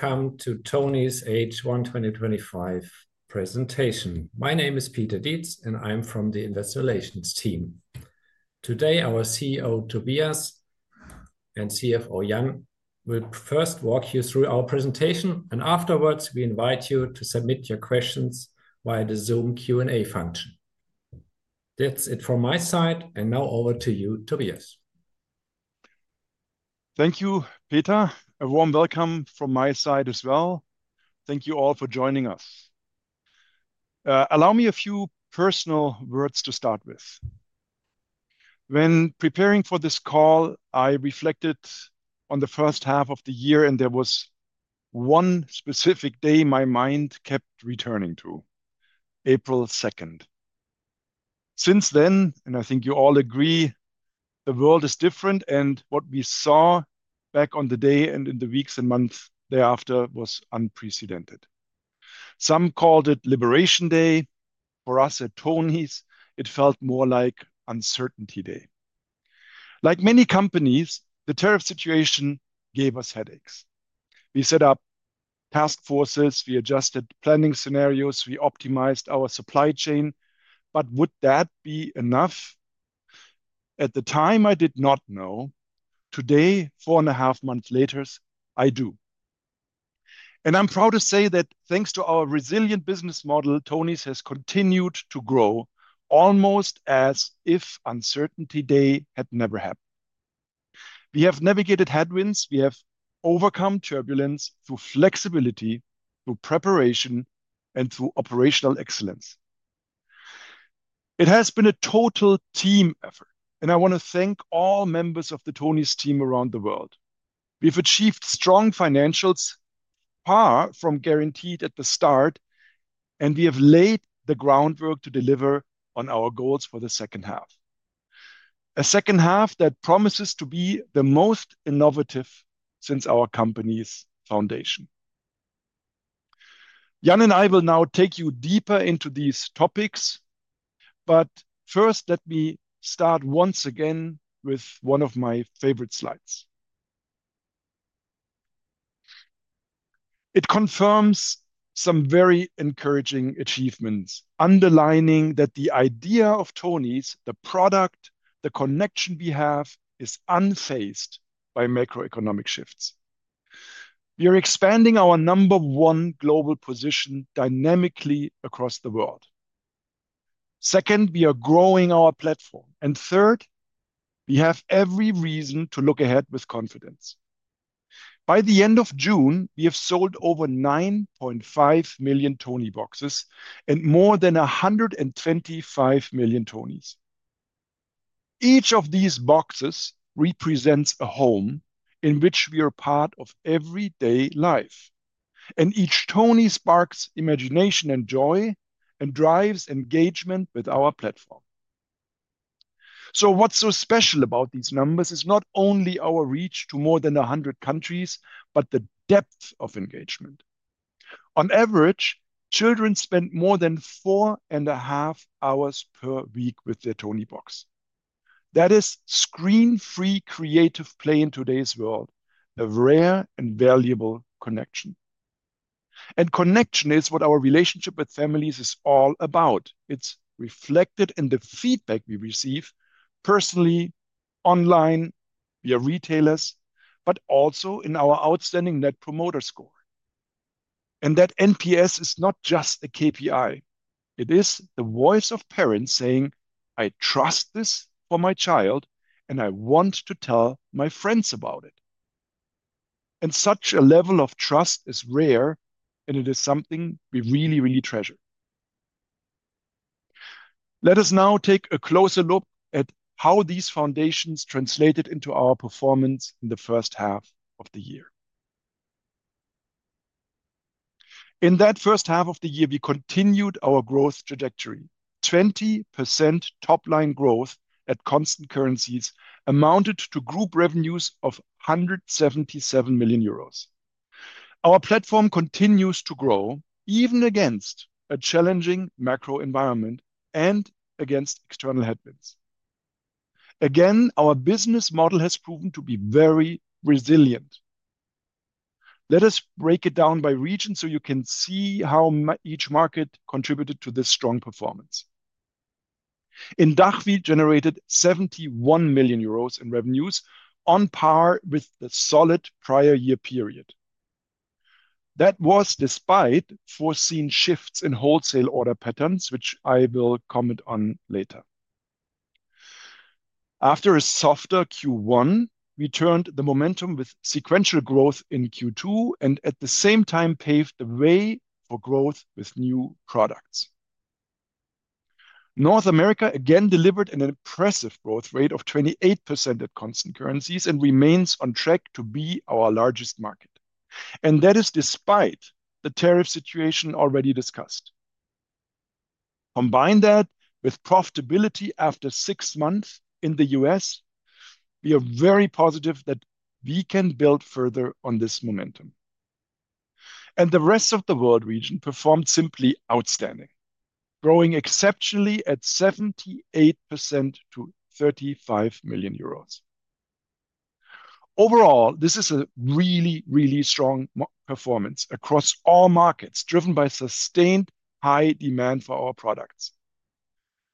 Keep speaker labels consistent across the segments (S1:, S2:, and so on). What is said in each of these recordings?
S1: Welcome to Tonies H1 2025 Presentation. My name is Peter Dietz, and I'm from the Investor Relations team. Today, our CEO, Tobias Wann, and CFO, Jan Middelhoff, will first walk you through our presentation. Afterwards, we invite you to submit your questions via the Zoom Q&A function. That's it from my side, and now over to you, Tobias.
S2: Thank you, Peter. A warm welcome from my side as well. Thank you all for joining us. Allow me a few personal words to start with. When preparing for this call, I reflected on the first half of the year, and there was one specific day my mind kept returning to: April 2nd. Since then, and I think you all agree, the world is different, and what we saw back on the day and in the weeks and months thereafter was unprecedented. Some called it Liberation Day; for us at Tonies, it felt more like Uncertainty Day. Like many companies, the tariff situation gave us headaches. We set up task forces, we adjusted planning scenarios, we optimized our supply chain, but would that be enough? At the time, I did not know. Today, four and a half months later, I do. I'm proud to say that thanks to our resilient business model, Tonies has continued to grow almost as if Uncertainty Day had never happened. We have navigated headwinds, we have overcome turbulence through flexibility, through preparation, and through operational excellence. It has been a total team effort, and I want to thank all members of the Tonies team around the world. We've achieved strong financials, far from guaranteed at the start, and we have laid the groundwork to deliver on our goals for the second half. A second half that promises to be the most innovative since our company's foundation. Jan and I will now take you deeper into these topics, but first, let me start once again with one of my favorite slides. It confirms some very encouraging achievements, underlining that the idea of Tonies, the product, the connection we have, is unfazed by macroeconomic shifts. We are expanding our number one global position dynamically across the world. We are growing our platform, and we have every reason to look ahead with confidence. By the end of June, we have sold over 9.5 million Tonieboxes and more than 125 million Tonies. Each of these boxes represents a home in which we are part of everyday life, and each Tonie sparks imagination and joy and drives engagement with our platform. What's so special about these numbers is not only our reach to more than 100 countries, but the depth of engagement. On average, children spend more than four and a half hours per week with their Toniebox. That is screen-free creative play in today's world, a rare and valuable connection. Connection is what our relationship with families is all about. It's reflected in the feedback we receive personally, online, via retailers, but also in our outstanding Net Promoter Score. That NPS is not just a KPI; it is the voice of parents saying, "I trust this for my child, and I want to tell my friends about it." Such a level of trust is rare, and it is something we really, really treasure. Let us now take a closer look at how these foundations translated into our performance in the first half of the year. In that first half of the year, we continued our growth trajectory. 20% top-line growth at constant currencies amounted to group revenues of €177 million. Our platform continues to grow even against a challenging macro environment and against external headwinds. Our business model has proven to be very resilient. Let us break it down by region so you can see how each market contributed to this strong performance. In DACH, we generated €71 million in revenues, on par with the solid prior year period. That was despite foreseen shifts in wholesale order patterns, which I will comment on later. After a softer Q1, we turned the momentum with sequential growth in Q2 and at the same time paved the way for growth with new products. North America again delivered an impressive growth rate of 28% at constant currencies and remains on track to be our largest market. That is despite the tariff situation already discussed. Combine that with profitability after six months in the U.S., we are very positive that we can build further on this momentum. The rest of the world region performed simply outstanding, growing exceptionally at 78% to €35 million. Overall, this is a really, really strong performance across all markets, driven by sustained high demand for our products.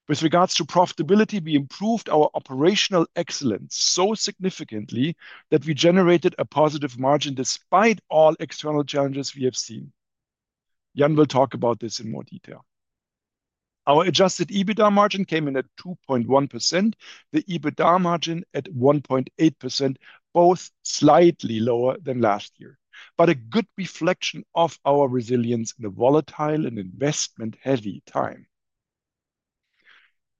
S2: With regards to profitability, we improved our operational excellence so significantly that we generated a positive margin despite all external challenges we have seen. Jan will talk about this in more detail. Our adjusted EBITDA margin came in at 2.1%, the EBITDA margin at 1.8%, both slightly lower than last year, but a good reflection of our resilience in a volatile and investment-heavy time.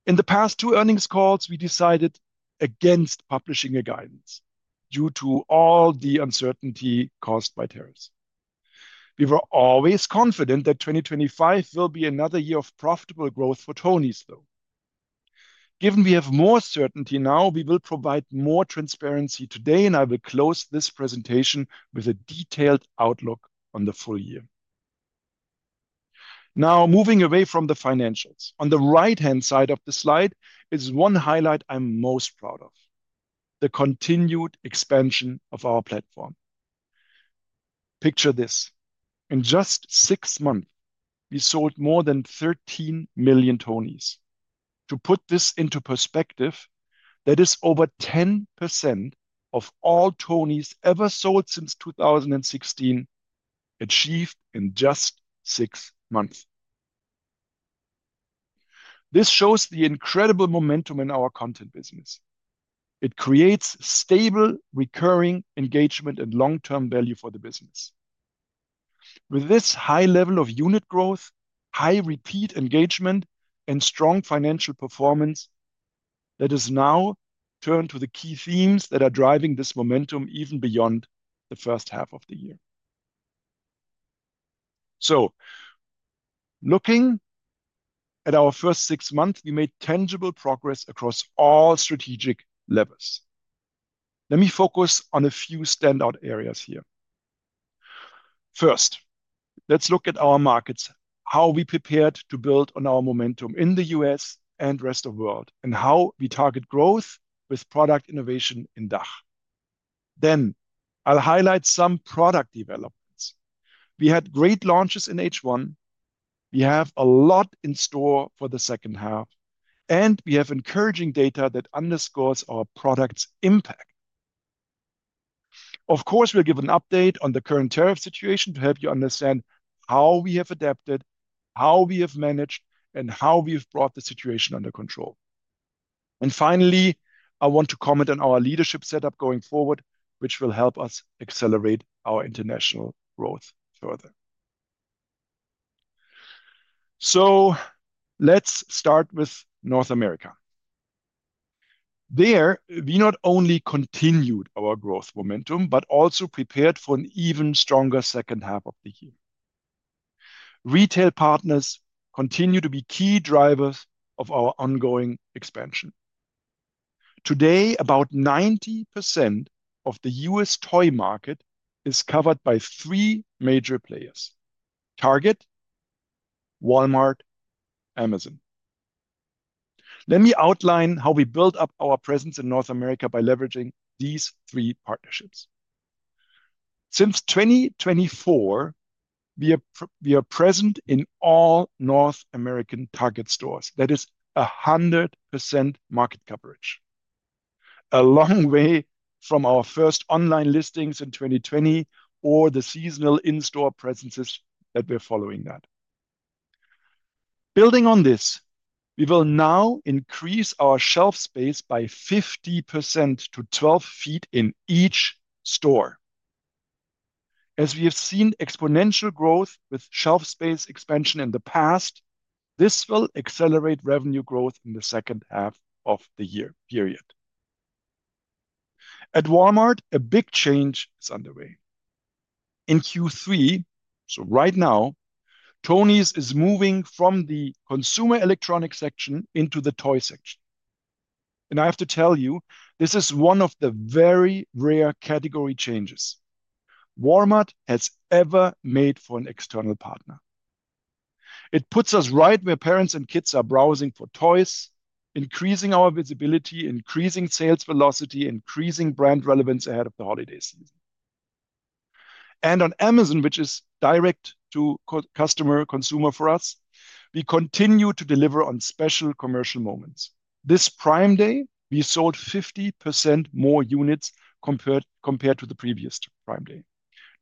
S2: In the past two earnings calls, we decided against publishing a guidance due to all the uncertainty caused by tariffs. We were always confident that 2025 will be another year of profitable growth for Tonies, though. Given we have more certainty now, we will provide more transparency today, and I will close this presentation with a detailed outlook on the full year. Now, moving away from the financials, on the right-hand side of the slide is one highlight I'm most proud of: the continued expansion of our platform. Picture this: in just six months, we sold more than 13 million Tonies. To put this into perspective, that is over 10% of all Tonies ever sold since 2016 achieved in just six months. This shows the incredible momentum in our content business. It creates stable, recurring engagement and long-term value for the business. With this high level of unit growth, high repeat engagement, and strong financial performance, let us now turn to the key themes that are driving this momentum even beyond the first half of the year. Looking at our first six months, we made tangible progress across all strategic levels. Let me focus on a few standout areas here. First, let's look at our markets, how we prepared to build on our momentum in the U.S. and the rest of the world, and how we target growth with product innovation in DACH. I'll highlight some product developments. We had great launches in H1. We have a lot in store for the second half, and we have encouraging data that underscores our product's impact. Of course, we'll give an update on the current tariff situation to help you understand how we have adapted, how we have managed, and how we've brought the situation under control. Finally, I want to comment on our leadership setup going forward, which will help us accelerate our international growth further. Let's start with North America. There, we not only continued our growth momentum but also prepared for an even stronger second half of the year. Retail partners continue to be key drivers of our ongoing expansion. Today, about 90% of the U.S. toy market is covered by three major players: Target, Walmart, and Amazon. Let me outline how we built up our presence in North America by leveraging these three partnerships. Since 2024, we are present in all North American Target stores. That is 100% market coverage. A long way from our first online listings in 2020 or the seasonal in-store presences that we're following now. Building on this, we will now increase our shelf space by 50% to 12 ft in each store. As we have seen exponential growth with shelf space expansion in the past, this will accelerate revenue growth in the second half of the year period. At Walmart, a big change is underway. In Q3, so right now, Tonies is moving from the consumer electronics section into the toy section. I have to tell you, this is one of the very rare category changes Walmart has ever made for an external partner. It puts us right where parents and kids are browsing for toys, increasing our visibility, increasing sales velocity, increasing brand relevance ahead of the holiday season. On Amazon, which is direct to consumer for us, we continue to deliver on special commercial moments. This Prime Day, we sold 50% more units compared to the previous Prime Day,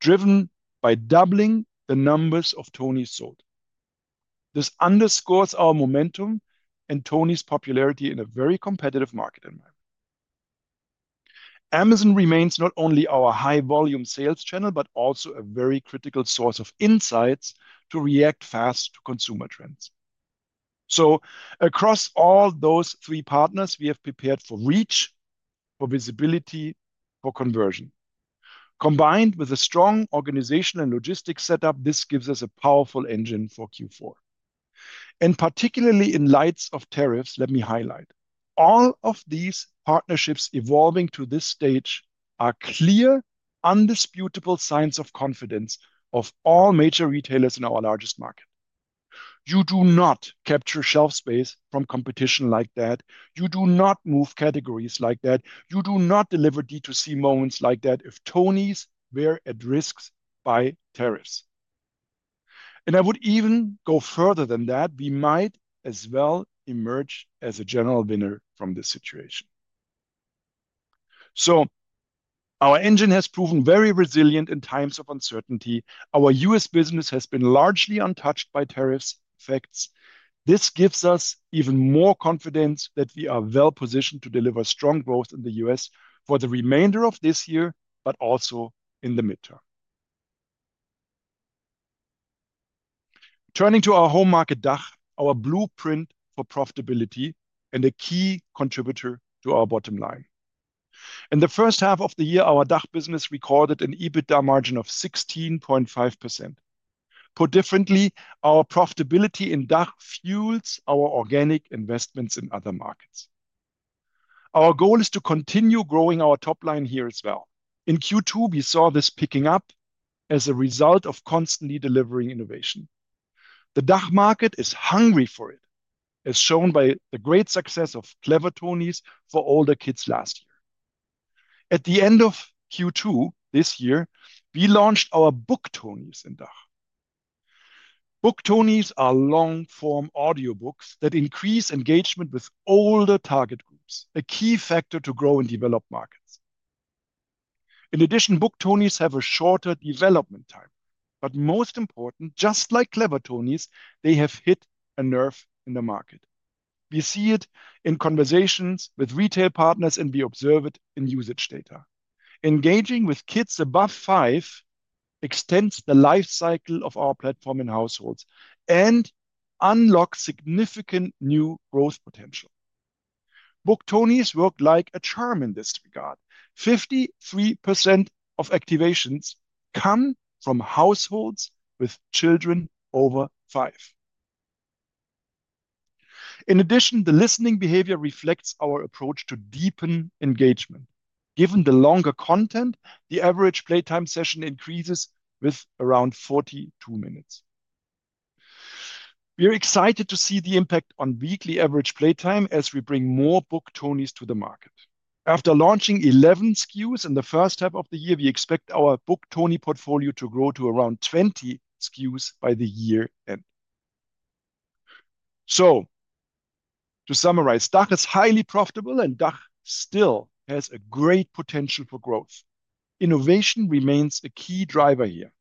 S2: driven by doubling the numbers of Tonies sold. This underscores our momentum and Tonies' popularity in a very competitive market environment. Amazon remains not only our high-volume sales channel but also a very critical source of insights to react fast to consumer trends. Across all those three partners, we have prepared for reach, for visibility, for conversion. Combined with a strong organizational and logistics setup, this gives us a powerful engine for Q4. Particularly in light of tariffs, let me highlight: all of these partnerships evolving to this stage are clear, undisputable signs of confidence of all major retailers in our largest market. You do not capture shelf space from competition like that. You do not move categories like that. You do not deliver D2C moments like that if Tonies were at risk by tariffs. I would even go further than that; we might as well emerge as a general winner from this situation. Our engine has proven very resilient in times of uncertainty. Our U.S. business has been largely untouched by tariff effects. This gives us even more confidence that we are well positioned to deliver strong growth in the U.S. for the remainder of this year, but also in the midterm. Turning to our home market, DACH, our blueprint for profitability and a key contributor to our bottom line. In the first half of the year, our DACH business recorded an EBITDA margin of 16.5%. Put differently, our profitability in DACH fuels our organic investments in other markets. Our goal is to continue growing our top line here as well. In Q2, we saw this picking up as a result of constantly delivering innovation. The DACH market is hungry for it, as shown by the great success of Clever Tonies for older kids last year. At the end of Q2 this year, we launched our Book Tonies in DACH. Book Tonies are long-form audiobooks that increase engagement with older target groups, a key factor to grow and develop markets. In addition, Book Tonies have a shorter development time. Most important, just like Clever Tonies, they have hit a nerve in the market. We see it in conversations with retail partners, and we observe it in usage data. Engaging with kids above five extends the life cycle of our platform in households and unlocks significant new growth potential. Book Tonies work like a charm in this regard. 53% of activations come from households with children over five. In addition, the listening behavior reflects our approach to deepen engagement. Given the longer content, the average playtime session increases with around 42 minutes. We are excited to see the impact on weekly average playtime as we bring more Book Tonies to the market. After launching 11 SKUs in the first half of the year, we expect our Book Tonies portfolio to grow to around 20 SKUs by the year's end. To summarize, DACH is highly profitable, and DACH still has great potential for growth. Innovation remains a key driver here.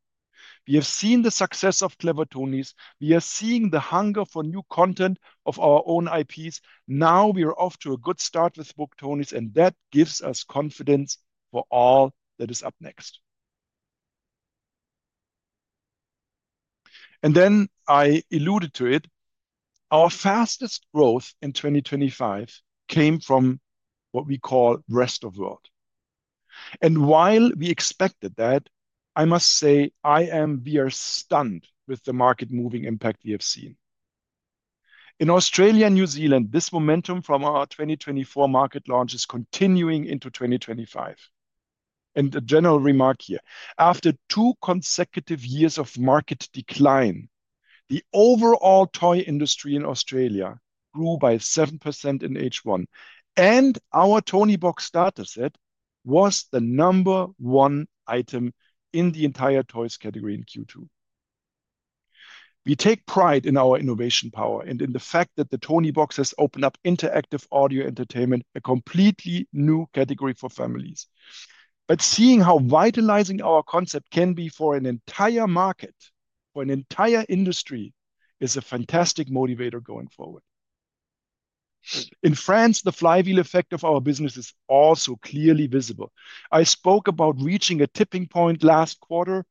S2: We have seen the success of Clever Tonies. We are seeing the hunger for new content of our own IPs. Now we are off to a good start with Book Tonies, and that gives us confidence for all that is up next. I alluded to it, our fastest growth in 2025 came from what we call the rest of the world. While we expected that, I must say, we are stunned with the market-moving impact we have seen. In Australia and New Zealand, this momentum from our 2024 market launch is continuing into 2025. A general remark here: after two consecutive years of market decline, the overall toy industry in Australia grew by 7% in H1, and our Toniebox dataset was the number one item in the entire toys category in Q2. We take pride in our innovation power and in the fact that the Toniebox has opened up interactive audio entertainment, a completely new category for families. Seeing how vitalizing our concept can be for an entire market, for an entire industry, is a fantastic motivator going forward. In France, the flywheel effect of our business is also clearly visible. I spoke about reaching a tipping point last quarter.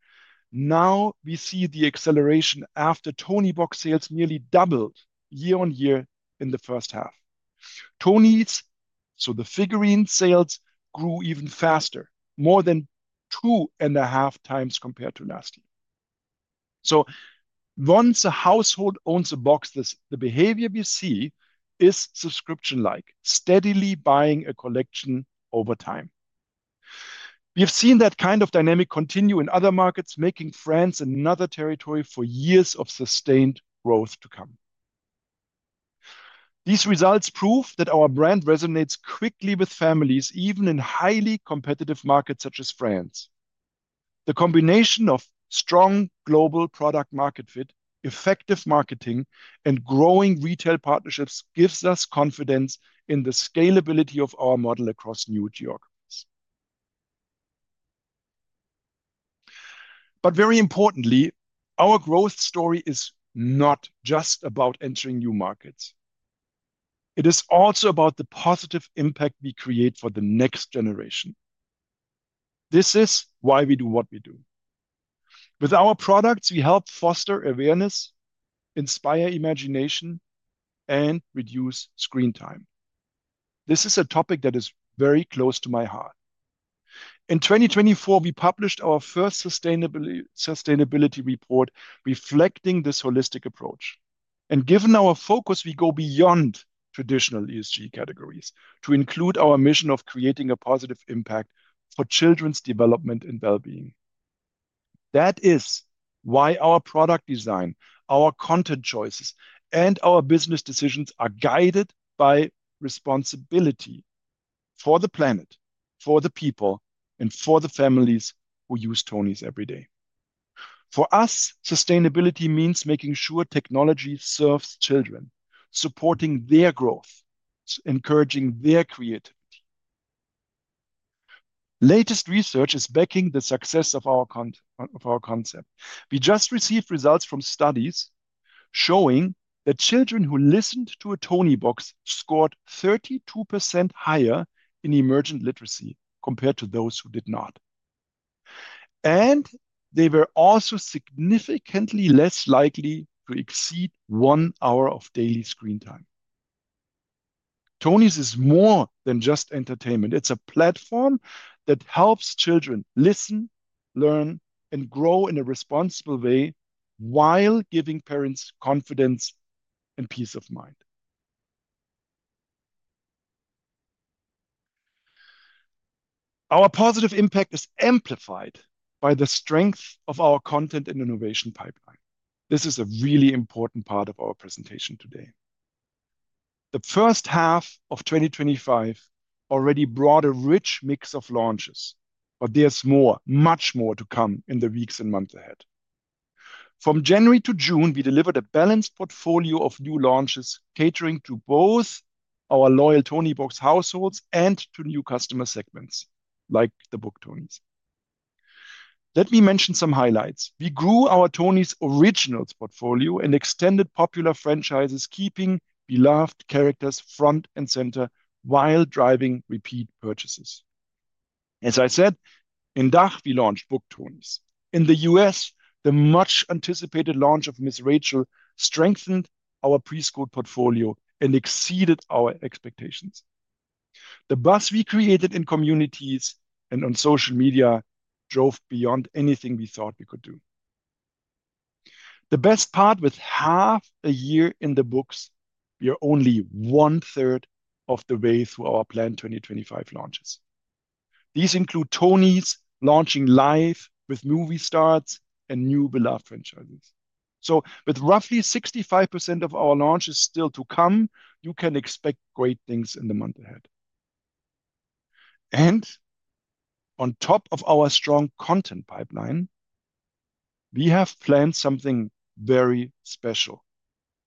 S2: Now we see the acceleration after Toniebox sales nearly doubled year on year in the first half. Tonies, so the figurine sales, grew even faster, more than two and a half times compared to last year. Once a household owns a box, the behavior we see is subscription-like, steadily buying a collection over time. We've seen that kind of dynamic continue in other markets, making France another territory for years of sustained growth to come. These results prove that our brand resonates quickly with families, even in highly competitive markets such as France. The combination of strong global product-market fit, effective marketing, and growing retail partnerships gives us confidence in the scalability of our model across new geographics. Very importantly, our growth story is not just about entering new markets. It is also about the positive impact we create for the next generation. This is why we do what we do. With our products, we help foster awareness, inspire imagination, and reduce screen time. This is a topic that is very close to my heart. In 2024, we published our first sustainability report reflecting this holistic approach. Given our focus, we go beyond traditional ESG categories to include our mission of creating a positive impact for children's development and well-being. That is why our product design, our content choices, and our business decisions are guided by responsibility for the planet, for the people, and for the families who use Tonies every day. For us, sustainability means making sure technology serves children, supporting their growth, encouraging their creativity. Latest research is backing the success of our concept. We just received results from studies showing that children who listened to a Toniebox scored 32% higher in emergent literacy compared to those who did not. They were also significantly less likely to exceed one hour of daily screen time. Tonies is more than just entertainment. It's a platform that helps children listen, learn, and grow in a responsible way while giving parents confidence and peace of mind. Our positive impact is amplified by the strength of our content and innovation pipeline. This is a really important part of our presentation today. The first half of 2025 already brought a rich mix of launches, but there's more, much more to come in the weeks and months ahead. From January to June, we delivered a balanced portfolio of new launches catering to both our loyal Toniebox households and to new customer segments like the Book Tonies. Let me mention some highlights. We grew our Tonies Originals portfolio and extended popular franchises, keeping beloved characters front and center while driving repeat purchases. As I said, in DACH, we launched Book Tonies. In the U.S., the much-anticipated launch of Miss Rachel figurine strengthened our preschool portfolio and exceeded our expectations. The buzz we created in communities and on social media drove beyond anything we thought we could do. The best part: with half a year in the books, we are only one-third of the way through our planned 2025 launches. These include Tonies launching live with movie starts and new beloved franchises. With roughly 65% of our launches still to come, you can expect great things in the months ahead. On top of our strong content pipeline, we have planned something very special,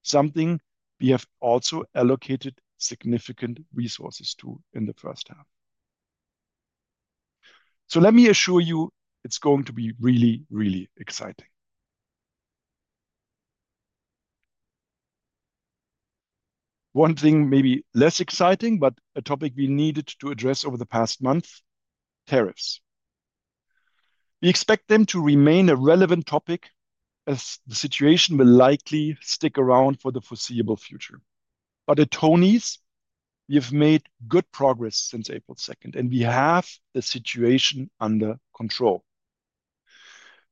S2: something we have also allocated significant resources to in the first half. Let me assure you, it's going to be really, really exciting. One thing may be less exciting, but a topic we needed to address over the past month: tariffs. We expect them to remain a relevant topic as the situation will likely stick around for the foreseeable future. At Tonies, we have made good progress since April 2, and we have the situation under control.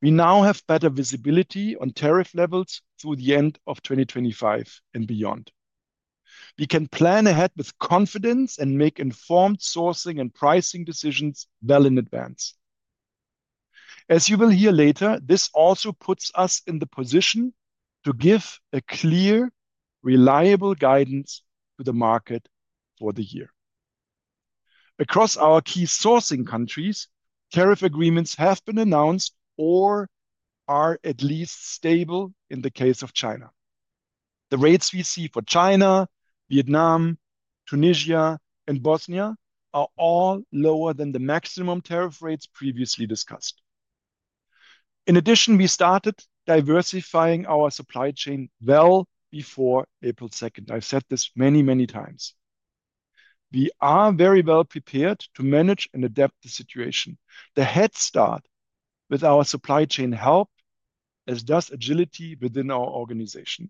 S2: We now have better visibility on tariff levels through the end of 2025 and beyond. We can plan ahead with confidence and make informed sourcing and pricing decisions well in advance. As you will hear later, this also puts us in the position to give clear, reliable guidance to the market for the year. Across our key sourcing countries, tariff agreements have been announced or are at least stable in the case of China. The rates we see for China, Vietnam, Tunisia, and Bosnia and Herzegovina are all lower than the maximum tariff rates previously discussed. In addition, we started diversifying our supply chain well before April 2. I have said this many, many times. We are very well prepared to manage and adapt the situation. The head start with our supply chain helps, as does agility within our organization.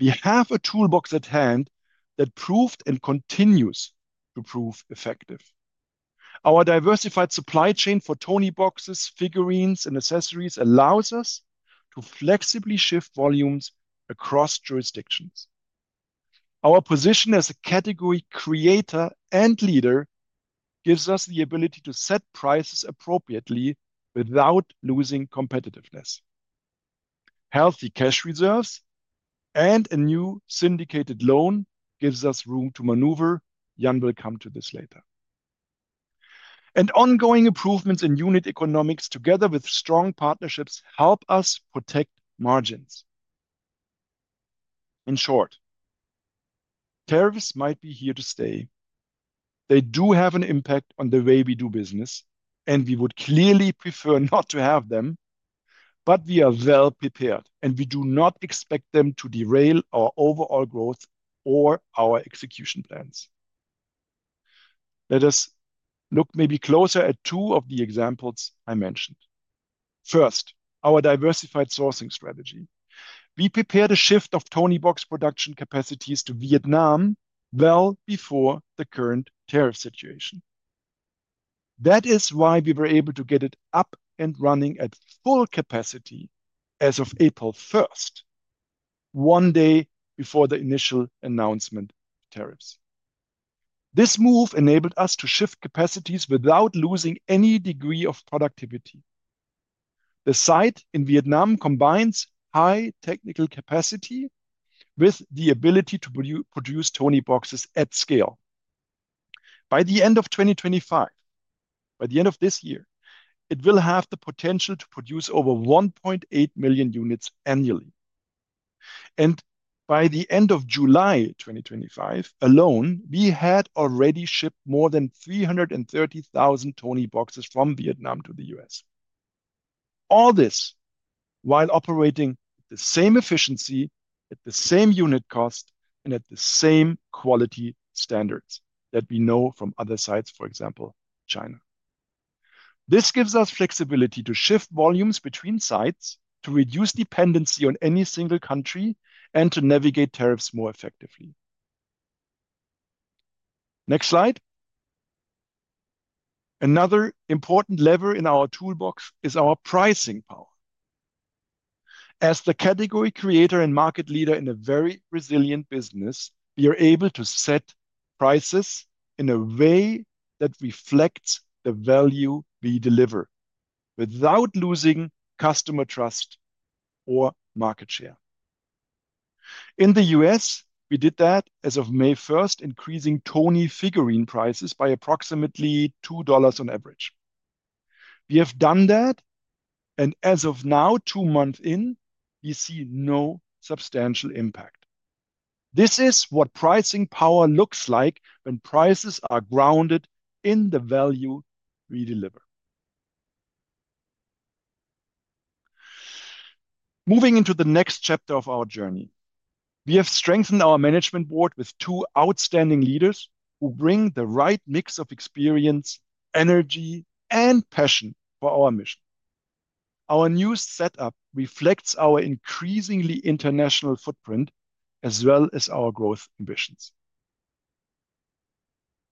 S2: We have a toolbox at hand that proved and continues to prove effective. Our diversified supply chain for Tonieboxes, figurines, and accessories allows us to flexibly shift volumes across jurisdictions. Our position as a category creator and leader gives us the ability to set prices appropriately without losing competitiveness. Healthy cash reserves and a new syndicated loan give us room to maneuver. Jan will come to this later. Ongoing improvements in unit economics, together with strong partnerships, help us protect margins. In short, tariffs might be here to stay. They do have an impact on the way we do business, and we would clearly prefer not to have them. We are well prepared, and we do not expect them to derail our overall growth or our execution plans. Let us look closer at two of the examples I mentioned. First, our diversified sourcing strategy. We prepared a shift of Toniebox production capacities to Vietnam well before the current tariff situation. That is why we were able to get it up and running at full capacity as of April 1, one day before the initial announcement of tariffs. This move enabled us to shift capacities without losing any degree of productivity. The site in Vietnam combines high technical capacity with the ability to produce Tonieboxes at scale. By the end of 2025, by the end of this year, it will have the potential to produce over 1.8 million units annually. By the end of July 2025 alone, we had already shipped more than 330,000 Tonieboxes from Vietnam to the U.S. All this while operating at the same efficiency, at the same unit cost, and at the same quality standards that we know from other sites, for example, China. This gives us flexibility to shift volumes between sites, to reduce dependency on any single country, and to navigate tariffs more effectively. Next slide. Another important lever in our toolbox is our pricing power. As the category creator and market leader in a very resilient business, we are able to set prices in a way that reflects the value we deliver without losing customer trust or market share. In the U.S., we did that as of May 1, increasing Tonies figurine prices by approximately $2 on average. We have done that, and as of now, two months in, we see no substantial impact. This is what pricing power looks like when prices are grounded in the value we deliver. Moving into the next chapter of our journey, we have strengthened our Management Board with two outstanding leaders who bring the right mix of experience, energy, and passion for our mission. Our new setup reflects our increasingly international footprint as well as our growth ambitions.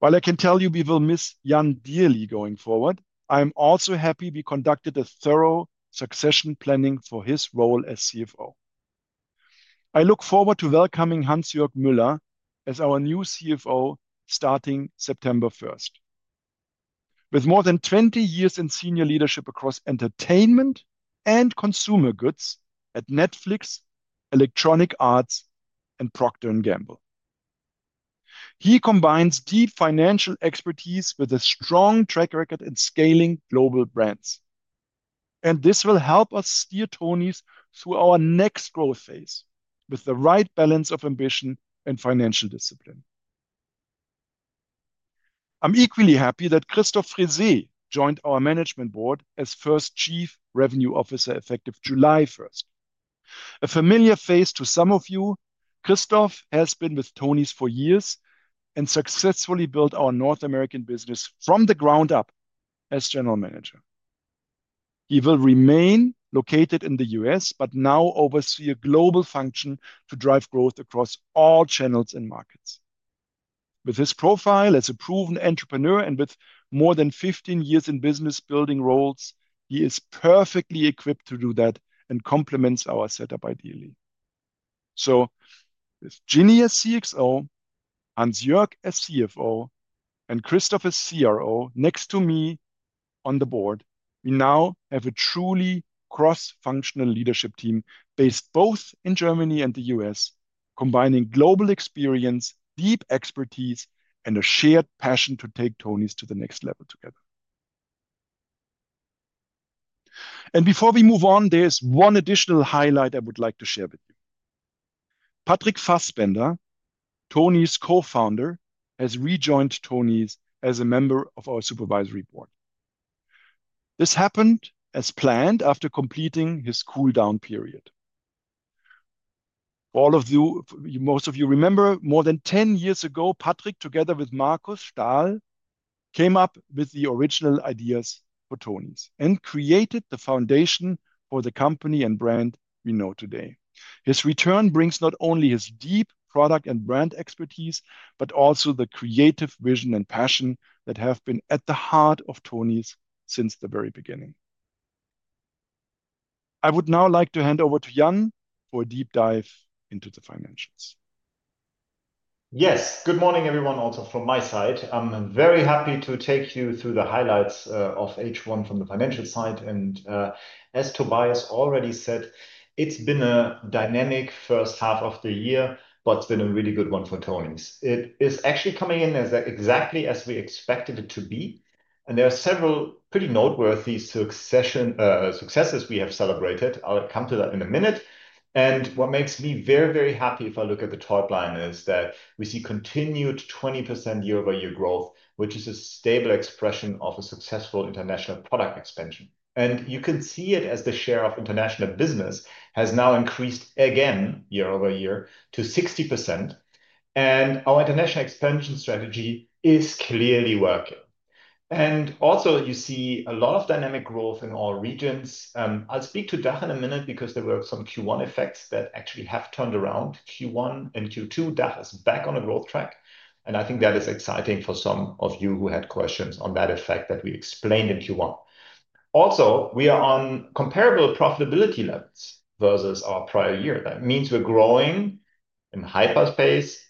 S2: While I can tell you we will miss Jan Middelhoff dearly going forward, I am also happy we conducted a thorough succession planning for his role as CFO. I look forward to welcoming Hans-Jörg Müller as our new CFO starting September 1. With more than 20 years in senior leadership across entertainment and consumer goods at Netflix, Electronic Arts, and Procter & Gamble, he combines deep financial expertise with a strong track record in scaling global brands. This will help us steer Tonies through our next growth phase with the right balance of ambition and financial discipline. I'm equally happy that Christoph Frisé joined our Management Board as First Chief Revenue Officer effective July 1. A familiar face to some of you, Christoph has been with Tonies for years and successfully built our North American business from the ground up as General Manager. He will remain located in the U.S. but now oversee a global function to drive growth across all channels and markets. With his profile as a proven entrepreneur and with more than 15 years in business building roles, he is perfectly equipped to do that and complements our setup ideally. With Ginny as CXO, Hans-Jörg as CFO, and Christoph as CRO next to me on the Board, we now have a truly cross-functional leadership team based both in Germany and the U.S., combining global experience, deep expertise, and a shared passion to take Tonies to the next level together. Before we move on, there's one additional highlight I would like to share with you. Patrick Fassbender, Tonies' co-founder, has rejoined Tonies as a member of our Supervisory Board. This happened as planned after completing his cool-down period. Most of you remember, more than 10 years ago, Patrick, together with Markus Stahl, came up with the original ideas for Tonies and created the foundation for the company and brand we know today. His return brings not only his deep product and brand expertise but also the creative vision and passion that have been at the heart of Tonies since the very beginning. I would now like to hand over to Jan for a deep dive into the financials.
S3: Yes, good morning, everyone. Also, from my side, I'm very happy to take you through the highlights of H1 from the financial side. As Tobias already said, it's been a dynamic first half of the year, but it's been a really good one for Tonies. It is actually coming in exactly as we expected it to be. There are several pretty noteworthy successes we have celebrated. I'll come to that in a minute. What makes me very, very happy if I look at the top line is that we see continued 20% year-over-year growth, which is a stable expression of a successful international product expansion. You can see it as the share of international business has now increased again year over year to 60%. Our international expansion strategy is clearly working. You see a lot of dynamic growth in all regions. I'll speak to DACH in a minute because there were some Q1 effects that actually have turned around. Q1 and Q2, DACH is back on a growth track. I think that is exciting for some of you who had questions on that effect that we explained in Q1. We are on comparable profitability levels versus our prior year. That means we're growing in hyperspace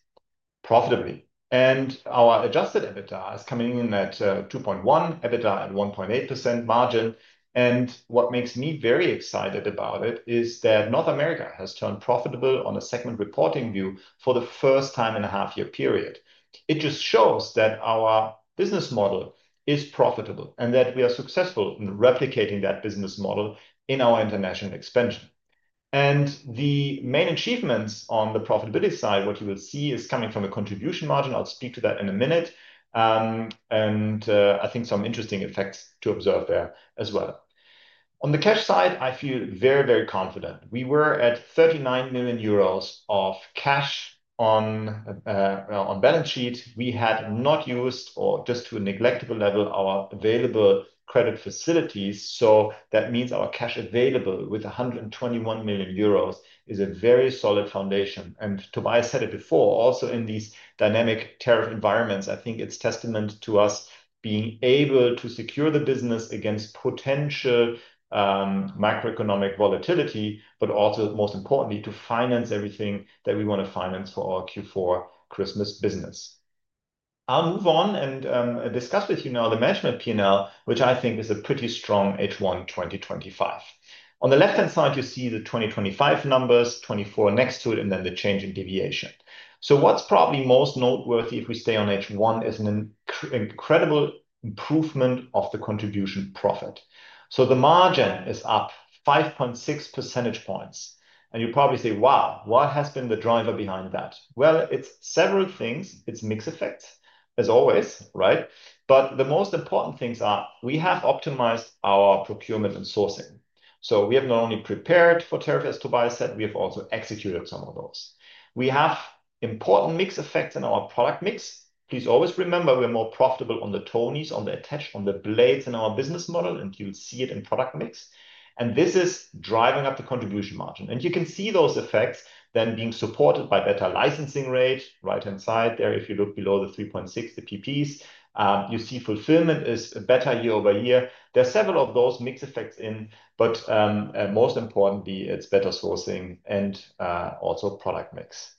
S3: profitably. Our adjusted EBITDA is coming in at 2.1%, EBITDA at 1.8% margin. What makes me very excited about it is that North America has turned profitable on a segment reporting view for the first time in a half-year period. It just shows that our business model is profitable and that we are successful in replicating that business model in our international expansion. The main achievements on the profitability side, what you will see is coming from a contribution margin. I'll speak to that in a minute. I think some interesting effects to observe there as well. On the cash side, I feel very, very confident. We were at €39 million of cash on balance sheet. We had not used or just to a neglectable level our available credit facilities. That means our cash available with €121 million is a very solid foundation. Tobias said it before, also in these dynamic tariff environments, I think it's a testament to us being able to secure the business against potential macroeconomic volatility, but also, most importantly, to finance everything that we want to finance for our Q4 Christmas business. I'll move on and discuss with you now the management P&L, which I think is a pretty strong H1 2025. On the left-hand side, you see the 2025 numbers, 2024 next to it, and then the change in deviation. What's probably most noteworthy if we stay on H1 is an incredible improvement of the contribution profit. The margin is up 5.6 percentage points. You probably say, wow, what has been the driver behind that? It's several things. It's mixed effects, as always, right? The most important things are we have optimized our procurement and sourcing. We have not only prepared for tariffs, as Tobias said, we have also executed some of those. We have important mix effects in our product mix. Please always remember we're more profitable on the Tonies, on the attach, on the blades in our business model, and you'll see it in product mix. This is driving up the contribution margin, and you can see those effects then being supported by better licensing rate. Right-hand side there, if you look below the 3.6, the PPs, you see fulfillment is better year over year. There are several of those mix effects in, but most importantly, it's better sourcing and also product mix.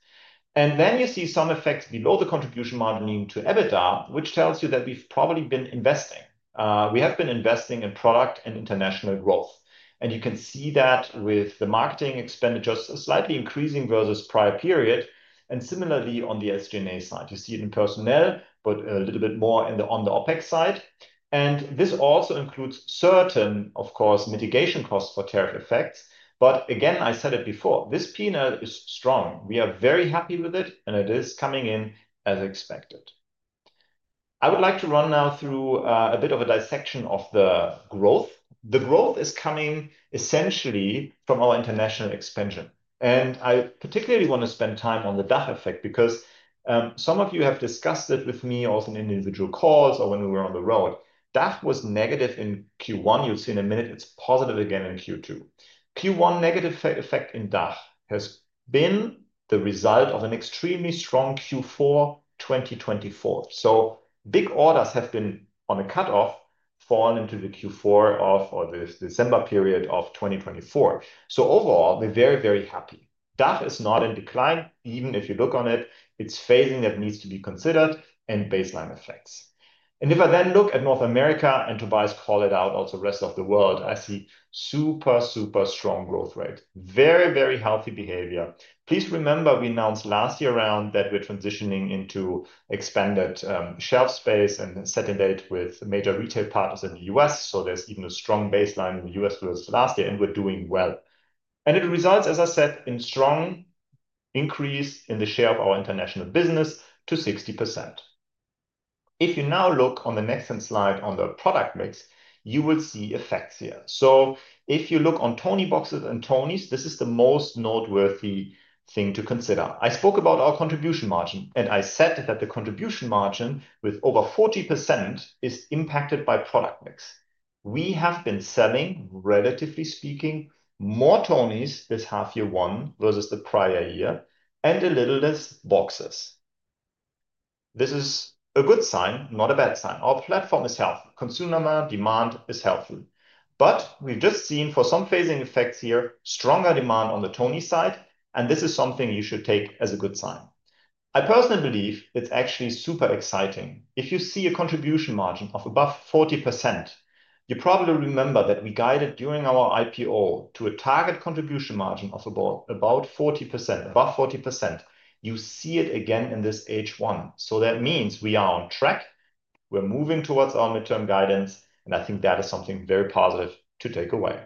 S3: You see some effects below the contribution margin to EBITDA, which tells you that we've probably been investing. We have been investing in product and international growth. You can see that with the marketing expenditures slightly increasing versus prior period. Similarly, on the SG&A side, you see it in personnel, but a little bit more on the OpEx side. This also includes certain, of course, mitigation costs for tariff effects. I said it before, this P&L is strong. We are very happy with it, and it is coming in as expected. I would like to run now through a bit of a dissection of the growth. The growth is coming essentially from our international expansion. I particularly want to spend time on the DACH effect because some of you have discussed it with me also in individual calls or when we were on the road. DACH was negative in Q1. You'll see in a minute it's positive again in Q2. Q1 negative effect in DACH has been the result of an extremely strong Q4 2024. Big orders have been on the cutoff, fallen into the Q4 or the December period of 2024. Overall, we're very, very happy. DACH is not in decline. Even if you look on it, it's phasing that needs to be considered and baseline effects. If I then look at North America and Tobias called it out, also the rest of the world, I see super, super strong growth rate. Very, very healthy behavior. Please remember we announced last year around that we're transitioning into expanded shelf space and setting date with major retail partners in the U.S. There's even a strong baseline with U.S. deals last year, and we're doing well. It results, as I said, in a strong increase in the share of our international business to 60%. If you now look on the next slide on the product mix, you will see effects here. If you look on Tonieboxes and Tonies, this is the most noteworthy thing to consider. I spoke about our contribution margin, and I said that the contribution margin with over 40% is impacted by product mix. We have been selling, relatively speaking, more Tonies this half year one versus the prior year and a little less boxes. This is a good sign, not a bad sign. Our platform is healthy. Consumer demand is healthy. We've just seen for some phasing effects here, stronger demand on the Tonies side, and this is something you should take as a good sign. I personally believe it's actually super exciting. If you see a contribution margin of above 40%, you probably remember that we guided during our IPO to a target contribution margin of about 40%. You see it again in this H1. That means we are on track. We're moving towards our midterm guidance, and I think that is something very positive to take away.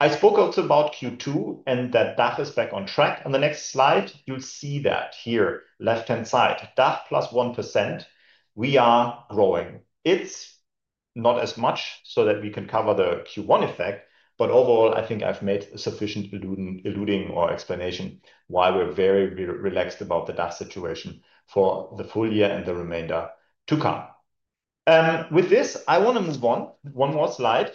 S3: I spoke also about Q2 and that DACH is back on track. On the next slide, you'll see that here left-hand side, DACH + 1%. We are growing. It's not as much so that we can cover the Q1 effect, but overall, I think I've made a sufficient alluding or explanation why we're very relaxed about the DACH situation for the full year and the remainder to come. With this, I want to move on one more slide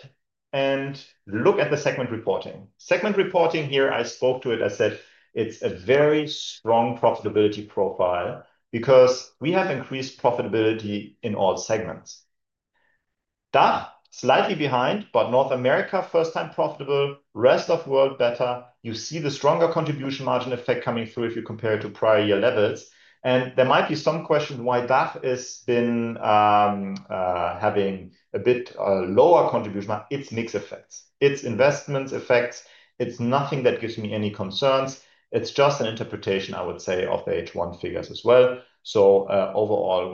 S3: and look at the segment reporting. Segment reporting here, I spoke to it. I said it's a very strong profitability profile because we have increased profitability in all segments. DACH slightly behind, but North America first time profitable, rest of the world better. You see the stronger contribution margin effect coming through if you compare it to prior year levels. There might be some question why DACH has been having a bit lower contribution margin. It's mixed effects. It's investments effects. It's nothing that gives me any concerns. It's just an interpretation, I would say, of the H1 figures as well. Overall,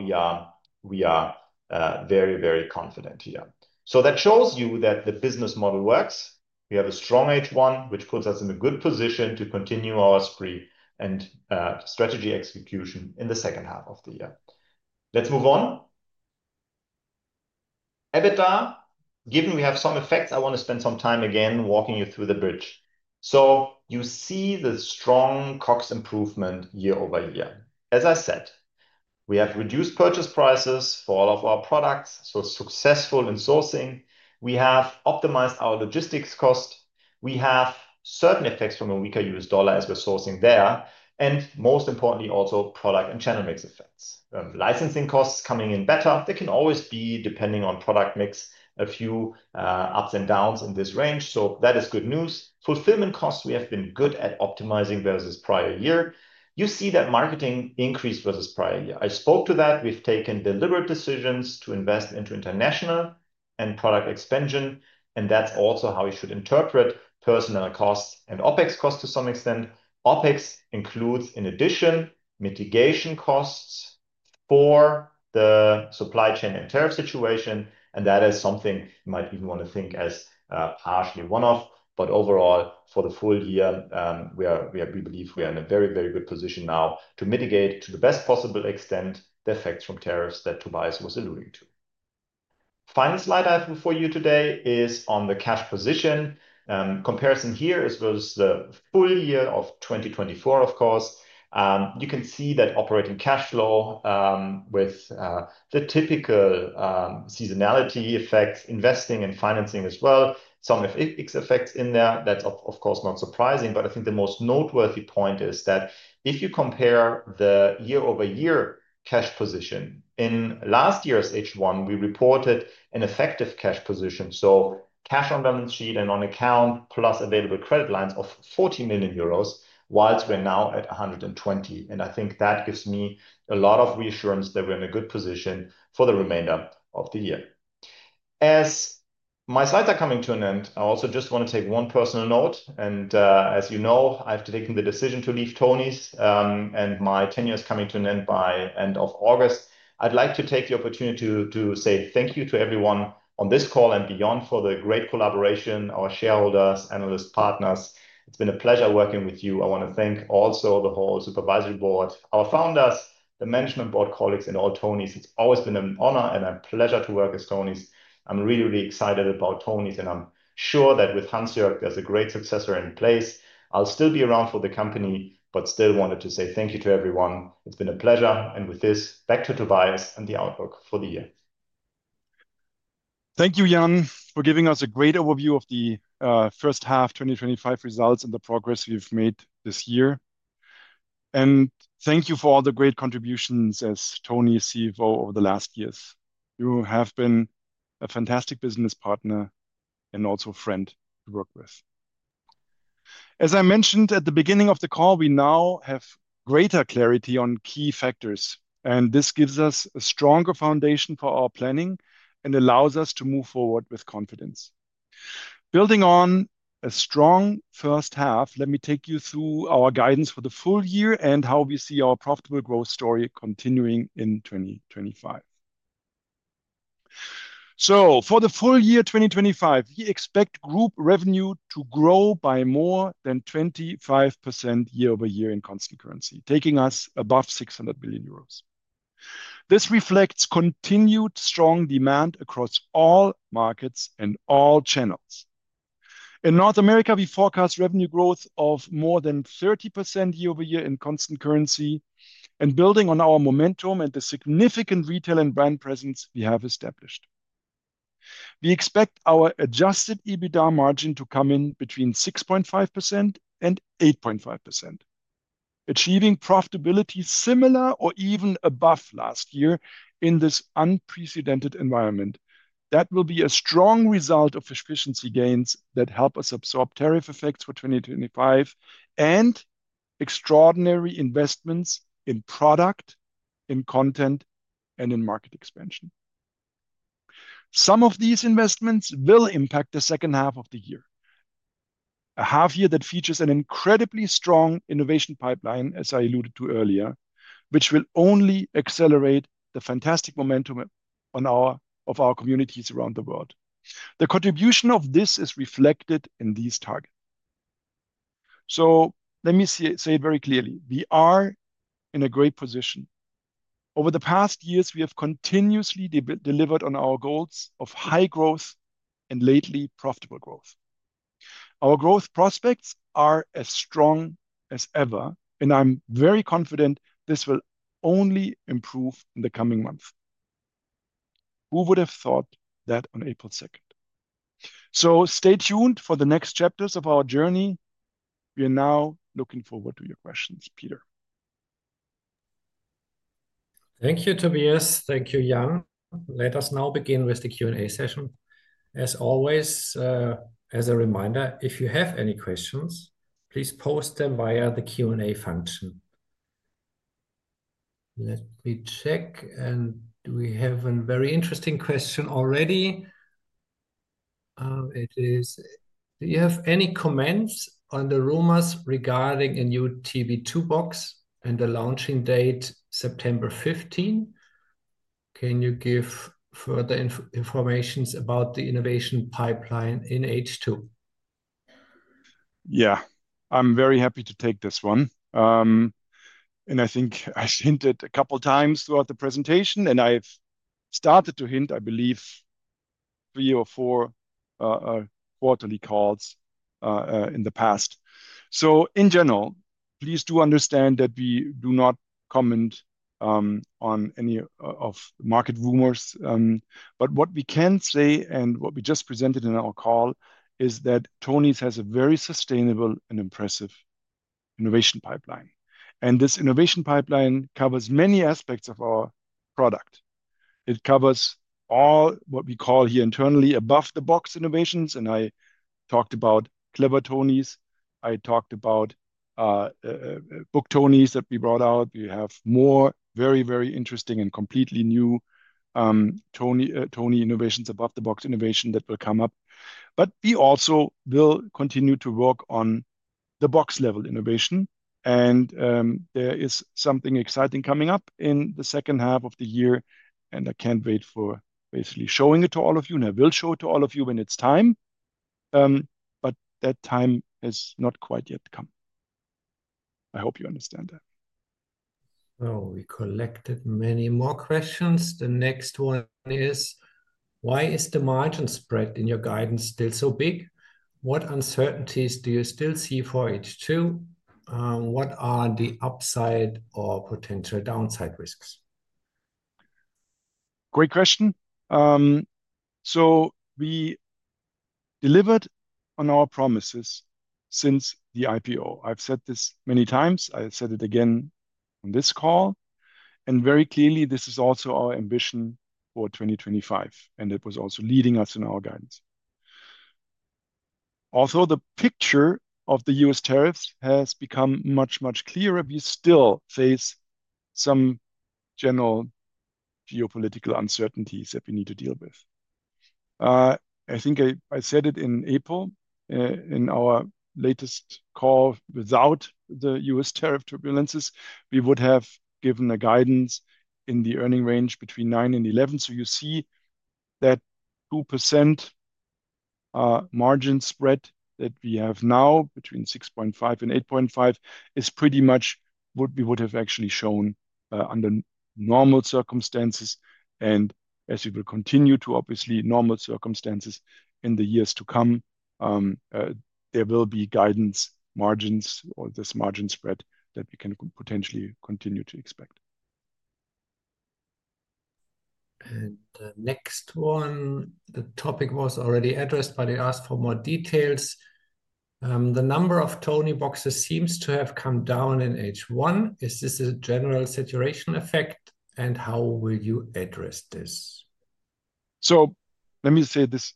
S3: we are very, very confident here. That shows you that the business model works. We have a strong H1, which puts us in a good position to continue our spree and strategy execution in the second half of the year. Let's move on. EBITDA, given we have some effects, I want to spend some time again walking you through the bridge. You see the strong COX improvement year over year. As I said, we have reduced purchase prices for all of our products, so successful in sourcing. We have optimized our logistics cost. We have certain effects from a weaker U.S. dollar as we're sourcing there. Most importantly, also product and channel mix effects. Licensing costs coming in better. There can always be, depending on product mix, a few ups and downs in this range. That is good news. Fulfillment costs, we have been good at optimizing versus prior year. You see that marketing increased versus prior year. I spoke to that. We've taken deliberate decisions to invest into international and product expansion. That's also how we should interpret personnel costs and OpEx costs to some extent. OpEx includes, in addition, mitigation costs for the supply chain and tariff situation. That is something you might even want to think as partially one-off. Overall, for the full year, we believe we are in a very, very good position now to mitigate to the best possible extent the effects from tariffs that Tobias was alluding to. The final slide I have for you today is on the cash position. Comparison here is with the full year of 2024, of course. You can see that operating cash flow, with the typical seasonality effects, investing and financing as well, some FX effects in there. That's, of course, not surprising. I think the most noteworthy point is that if you compare the year-over-year cash position, in last year's H1, we reported an effective cash position, so cash on balance sheet and on account plus available credit lines of €40 million, whilst we're now at €120 million. I think that gives me a lot of reassurance that we're in a good position for the remainder of the year. As my slides are coming to an end, I also just want to take one personal note. As you know, I've taken the decision to leave Tonies. My tenure is coming to an end by the end of August. I'd like to take the opportunity to say thank you to everyone on this call and beyond for the great collaboration, our shareholders, analysts, partners. It's been a pleasure working with you. I want to thank also the whole Supervisory Board, our founders, the Management Board colleagues, and all Tonies. It's always been an honor and a pleasure to work as Tonies. I'm really, really excited about Tonies. I'm sure that with Hans-Jörg, there's a great successor in place. I'll still be around for the company, but still wanted to say thank you to everyone. It's been a pleasure. With this, back to Tobias and the outlook for the year.
S2: Thank you, Jan, for giving us a great overview of the first half 2025 results and the progress we've made this year. Thank you for all the great contributions as Tonies CFO over the last years. You have been a fantastic business partner and also a friend to work with. As I mentioned at the beginning of the call, we now have greater clarity on key factors. This gives us a stronger foundation for our planning and allows us to move forward with confidence. Building on a strong first half, let me take you through our guidance for the full year and how we see our profitable growth story continuing in 2025. For the full year 2025, we expect group revenue to grow by more than 25% year-over-year in constant currency, taking us above €600 million. This reflects continued strong demand across all markets and all channels. In North America, we forecast revenue growth of more than 30% year over year in constant currency. Building on our momentum and the significant retail and brand presence we have established, we expect our adjusted EBITDA margin to come in between 6.5% and 8.5%, achieving profitability similar or even above last year in this unprecedented environment. That will be a strong result of efficiency gains that help us absorb tariff effects for 2025 and extraordinary investments in product, in content, and in market expansion. Some of these investments will impact the second half of the year, a half year that features an incredibly strong innovation pipeline, as I alluded to earlier, which will only accelerate the fantastic momentum of our communities around the world. The contribution of this is reflected in these targets. Let me say it very clearly: we are in a great position. Over the past years, we have continuously delivered on our goals of high growth and lately profitable growth. Our growth prospects are as strong as ever, and I'm very confident this will only improve in the coming months. Who would have thought that on April 2nd? Stay tuned for the next chapters of our journey. We are now looking forward to your questions, Peter.
S1: Thank you, Tobias. Thank you, Jan. Let us now begin with the Q&A session. As always, as a reminder, if you have any questions, please post them via the Q&A function. Let me check, and we have a very interesting question already. It is: do you have any comments on the rumors regarding a new TV2 box and the launching date, September 15th? Can you give further information about the innovation pipeline in H2?
S2: I'm very happy to take this one. I think I hinted a couple of times throughout the presentation, and I've started to hint, I believe, three or four quarterly calls in the past. In general, please do understand that we do not comment on any of the market rumors. What we can say and what we just presented in our call is that Tonies has a very sustainable and impressive innovation pipeline. This innovation pipeline covers many aspects of our product. It covers all what we call here internally above-the-box innovations. I talked about Clever Tonies. I talked about Book Tonies that we brought out. We have more very, very interesting and completely new Tonies innovations, above-the-box innovations that will come up. We also will continue to work on the box-level innovation. There is something exciting coming up in the second half of the year, and I can't wait for basically showing it to all of you. I will show it to all of you when it's time. That time has not quite yet come. I hope you understand that.
S1: We collected many more questions. The next one is: Why is the margin spread in your guidance still so big? What uncertainties do you still see for H2? What are the upside or potential downside risks?
S2: Great question. We delivered on our promises since the IPO. I've said this many times. I've said it again on this call. Very clearly, this is also our ambition for 2025. It was also leading us in our guidance. The picture of the U.S. tariffs has become much, much clearer. We still face some general geopolitical uncertainties that we need to deal with. I think I said it in April in our latest call. Without the U.S. tariff turbulences, we would have given a guidance in the earning range between 9% and 11%. You see that 2% margin spread that we have now between 6.5% and 8.5% is pretty much what we would have actually shown under normal circumstances. As we will continue to, obviously, normal circumstances in the years to come, there will be guidance margins or this margin spread that we can potentially continue to expect.
S1: The next one, the topic was already addressed, but I asked for more details. The number of Tonieboxes seems to have come down in H1. Is this a general saturation effect? How will you address this?
S2: Let me say this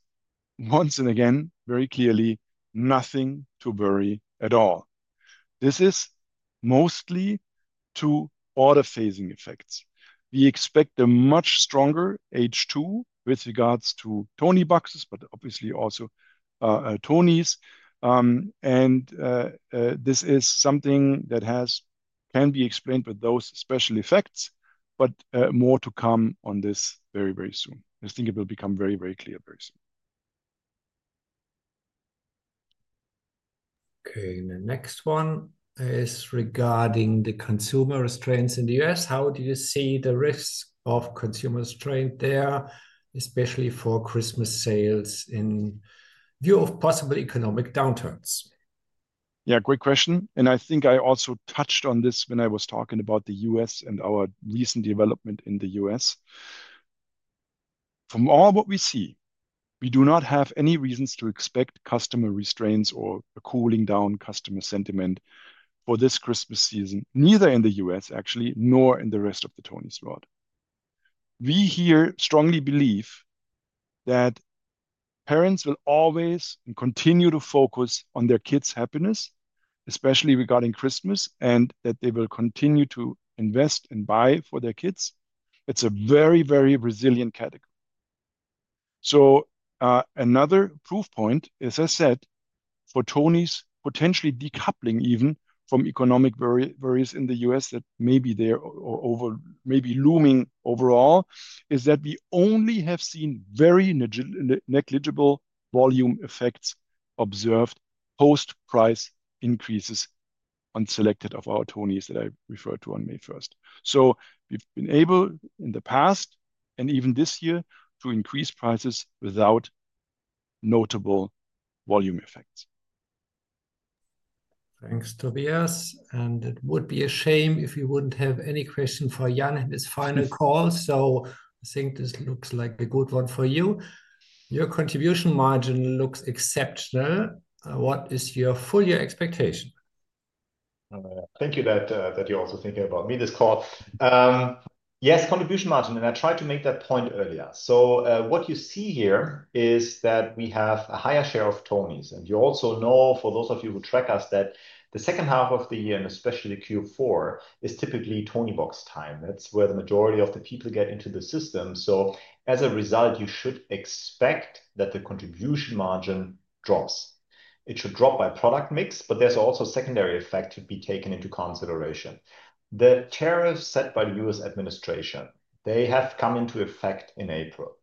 S2: once and again, very clearly, nothing to worry at all. This is mostly due to order phasing effects. We expect a much stronger H2 with regards to Tonieboxes, but obviously also Tonies. This is something that can be explained with those special effects, but more to come on this very, very soon. I think it will become very, very clear very soon.
S1: Okay, and the next one is regarding the consumer restraints in the U.S. How do you see the risks of consumer restraint there, especially for Christmas sales in view of possible economic downturns?
S2: Great question. I think I also touched on this when I was talking about the U.S. and our recent development in the U.S. From all what we see, we do not have any reasons to expect customer restraints or a cooling down customer sentiment for this Christmas season, neither in the U.S. actually, nor in the rest of the Tonies lot. We here strongly believe that parents will always continue to focus on their kids' happiness, especially regarding Christmas, and that they will continue to invest and buy for their kids. It's a very, very resilient category. Another proof point, as I said, for Tonies potentially decoupling even from economic worries in the U.S. that maybe they're over, maybe looming overall, is that we only have seen very negligible volume effects observed post-price increases on selected of our Tonies that I referred to on May 1st. We've been able in the past and even this year to increase prices without notable volume effects.
S1: Thanks, Tobias. It would be a shame if we wouldn't have any questions for Jan in his final call. I think this looks like a good one for you. Your contribution margin looks exceptional. What is your full-year expectation?
S3: Thank you that you're also thinking about me this call. Yes, contribution margin, and I tried to make that point earlier. What you see here is that we have a higher share of Tonies. You also know, for those of you who track us, that the second half of the year, and especially Q4, is typically Toniebox time. That's where the majority of the people get into the system. As a result, you should expect that the contribution margin drops. It should drop by product mix, but there's also a secondary effect to be taken into consideration. The tariffs set by the U.S. administration, they have come into effect in April.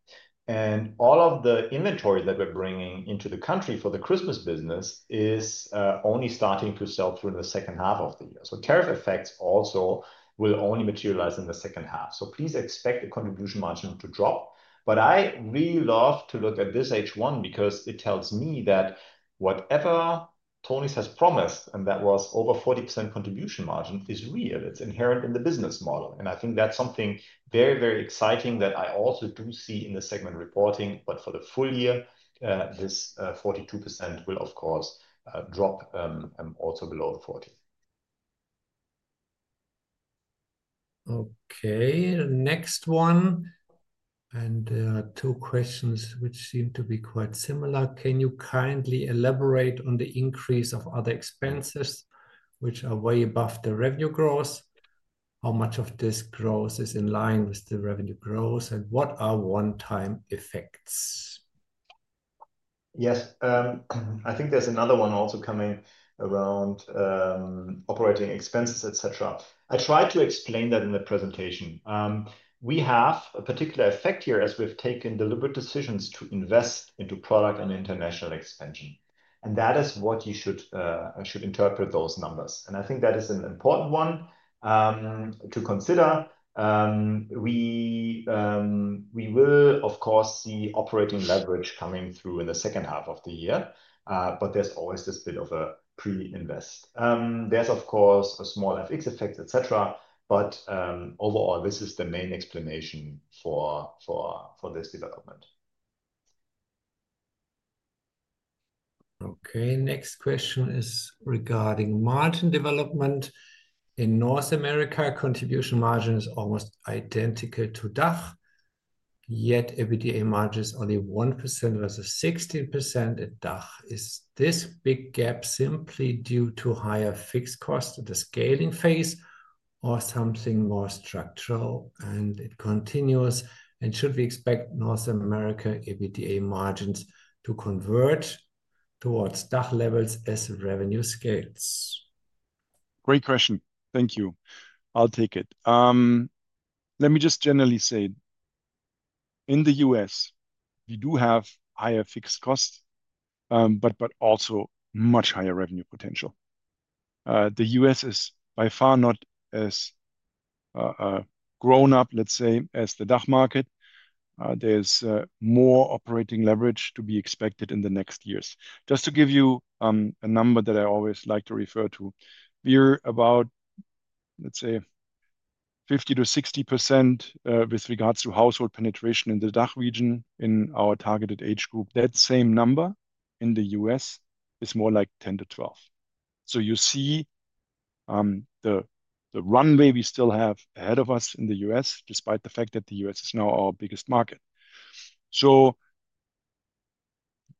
S3: All of the inventory that we're bringing into the country for the Christmas business is only starting to sell through in the second half of the year. Tariff effects also will only materialize in the second half. Please expect the contribution margin to drop. I really love to look at this H1 because it tells me that whatever Tonies has promised, and that was over 40% contribution margin, is real. It's inherent in the business model. I think that's something very, very exciting that I also do see in the segment reporting. For the full year, this 42% will, of course, drop also below the 40.
S1: Okay, the next one. There are two questions which seem to be quite similar. Can you kindly elaborate on the increase of other expenses, which are way above the revenue growth? How much of this growth is in line with the revenue growth, and what are one-time effects?
S3: Yes, I think there's another one also coming around operating expenses, etc. I tried to explain that in the presentation. We have a particular effect here as we've taken deliberate decisions to invest into product and international expansion. That is what you should interpret those numbers. I think that is an important one to consider. We will, of course, see operating leverage coming through in the second half of the year. There's always this bit of a pre-invest. There's, of course, a small FX effect, etc. Overall, this is the main explanation for this development.
S1: Okay, next question is regarding margin development. In North America, contribution margin is almost identical to DACH. Yet, EBITDA margin is only 1% versus 16% in DACH. Is this big gap simply due to higher fixed costs in the scaling phase or something more structural? Should we expect North America EBITDA margins to convert towards DACH levels as revenue scales?
S2: Great question. Thank you. I'll take it. Let me just generally say, in the U.S., we do have higher fixed costs, but also much higher revenue potential. The U.S. is by far not as grown up, let's say, as the DACH market. There's more operating leverage to be expected in the next years. Just to give you a number that I always like to refer to, we are about, let's say, 50%-60% with regards to household penetration in the DACH region in our targeted age group. That same number in the U.S. is more like 10%-12%. You see the runway we still have ahead of us in the U.S., despite the fact that the U.S. is now our biggest market.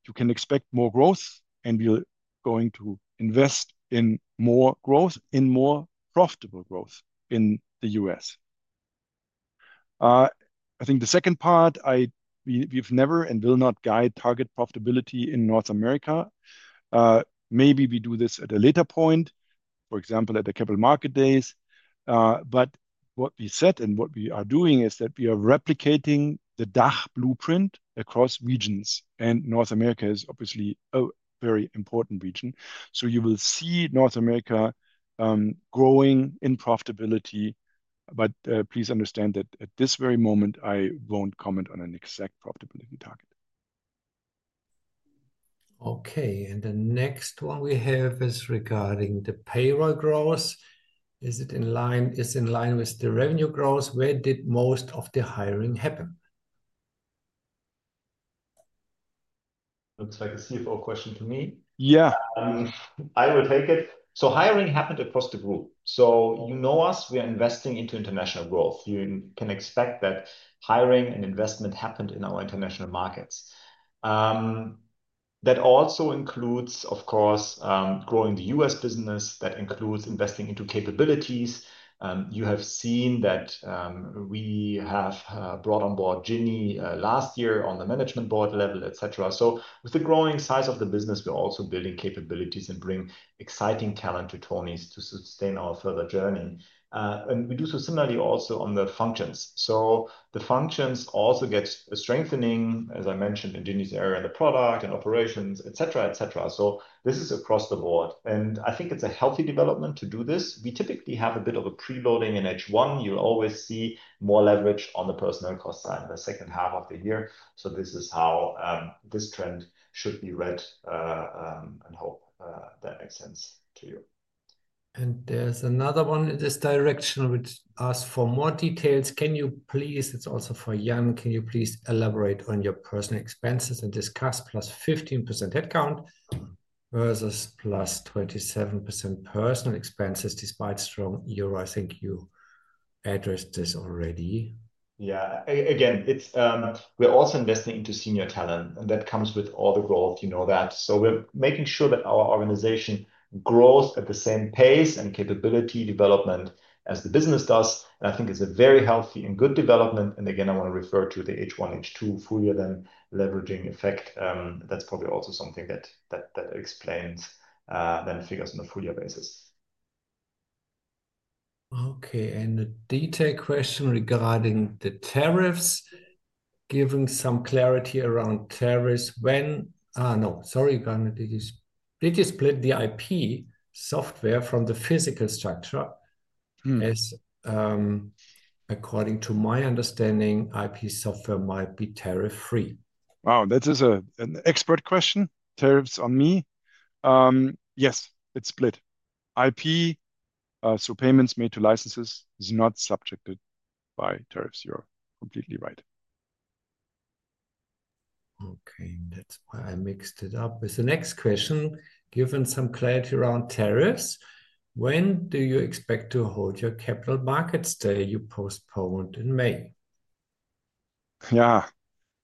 S2: You can expect more growth, and we're going to invest in more growth, in more profitable growth in the U.S. I think the second part, we've never and will not guide target profitability in North America. Maybe we do this at a later point, for example, at the capital market days. What we said and what we are doing is that we are replicating the DACH blueprint across regions. North America is obviously a very important region. You will see North America growing in profitability. Please understand that at this very moment, I won't comment on an exact profitability target.
S1: Okay, the next one we have is regarding the payroll growth. Is it in line with the revenue growth? Where did most of the hiring happen?
S2: Looks like a CFO question to me.
S3: Yeah, I will take it. Hiring happened across the group. You know us, we are investing into international growth. You can expect that hiring and investment happened in our international markets. That also includes, of course, growing the U.S. business. That includes investing into capabilities. You have seen that we have brought on board Ginny last year on the management board level, etc. With the growing size of the business, we're also building capabilities and bringing exciting talent to Tonies to sustain our further journey. We do so similarly also on the functions. The functions also get a strengthening, as I mentioned, in Ginny's area and the product and operations, etc. This is across the board. I think it's a healthy development to do this. We typically have a bit of a preloading in H1. You'll always see more leverage on the personnel cost side in the second half of the year. This is how this trend should be read. I hope that makes sense to you.
S1: There's another one in this direction, which asks for more details. Can you please, it's also for Jan, elaborate on your personal expenses and discuss + 15% headcount versus + 27% personal expenses despite strong EROI? I think you addressed this already.
S3: Yeah, we're also investing into senior talent. That comes with all the growth, you know that. We're making sure that our organization grows at the same pace and capability development as the business does. I think it's a very healthy and good development. I want to refer to the H1, H2 full year then leveraging effect. That's probably also something that explains then figures on the full year basis.
S1: Okay, the detailed question regarding the tariffs, giving some clarity around tariffs when, no, sorry, I didn't split the IP software from the physical structure. As according to my understanding, IP software might be tariff-free.
S2: Wow, that is an expert question. Tariffs on me. Yes, it's split. IP through payments made to licenses is not subjected by tariffs. You're completely right.
S1: Okay, that's why I mixed it up with the next question. Given some clarity around tariff risks, when do you expect to hold your capital markets day you postponed in May?
S2: Yeah,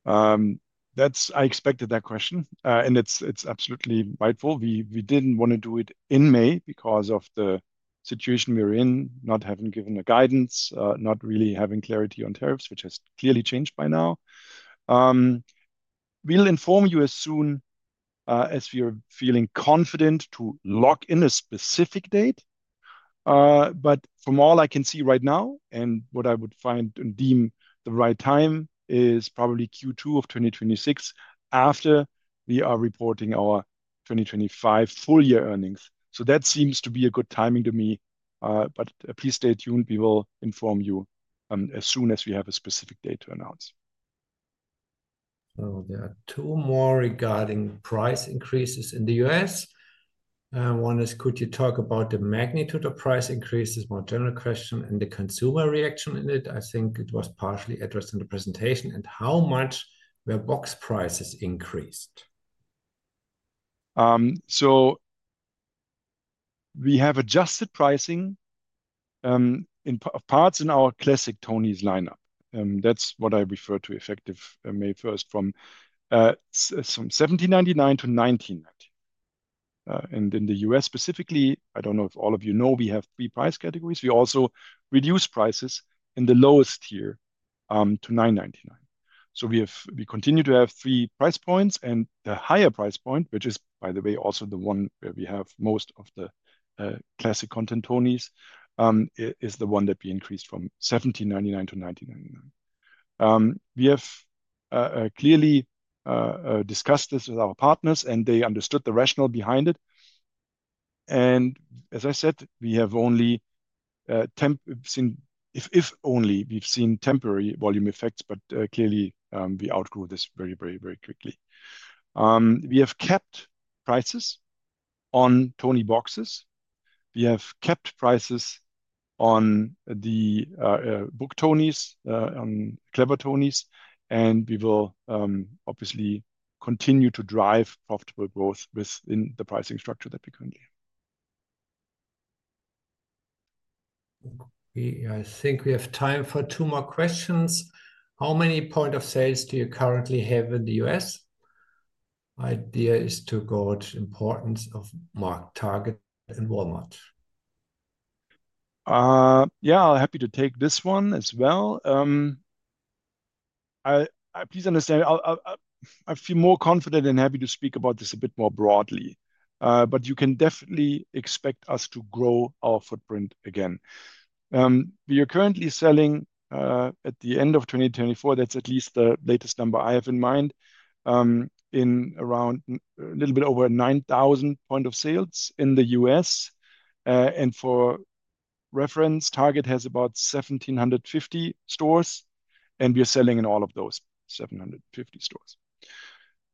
S2: I expected that question. It's absolutely rightful. We didn't want to do it in May because of the situation we're in, not having given a guidance, not really having clarity on tariffs, which has clearly changed by now. We'll inform you as soon as we are feeling confident to lock in a specific date. From all I can see right now, and what I would find and deem the right time is probably Q2 of 2026 after we are reporting our 2025 full year earnings. That seems to be a good timing to me. Please stay tuned. We will inform you as soon as we have a specific date to announce.
S1: Oh, there are two more regarding price increases in the U.S. One is, could you talk about the magnitude of price increases, more general question, and the consumer reaction in it? I think it was partially addressed in the presentation. How much were box prices increased?
S2: We have adjusted pricing in parts in our classic Tonies lineup. That's what I refer to effective May 1 from $17.99-$19.99. In the U.S. specifically, I don't know if all of you know, we have three price categories. We also reduced prices in the lowest tier to $9.99. We continue to have three price points. The higher price point, which is, by the way, also the one where we have most of the classic content Tonies, is the one that we increased from $17.99-$19.99. We have clearly discussed this with our partners, and they understood the rationale behind it. As I said, we have only seen, if only, we've seen temporary volume effects, but clearly, we outgrew this very, very, very quickly. We have kept prices on Tonieboxes. We have kept prices on the Book Tonies and Clever Tonies. We will obviously continue to drive profitable growth within the pricing structure that we currently have.
S1: Okay, I think we have time for two more questions. How many point of sales do you currently have in the U.S.? The idea is to gauge the importance of Amazon, Target, and Walmart.
S2: Yeah, I'm happy to take this one as well. Please understand, I feel more confident and happy to speak about this a bit more broadly. You can definitely expect us to grow our footprint again. We are currently selling at the end of 2024, that's at least the latest number I have in mind, in around a little bit over 9,000 point of sales in the U.S. For reference, Target has about 1,750 stores, and we're selling in all of those 1,750 stores.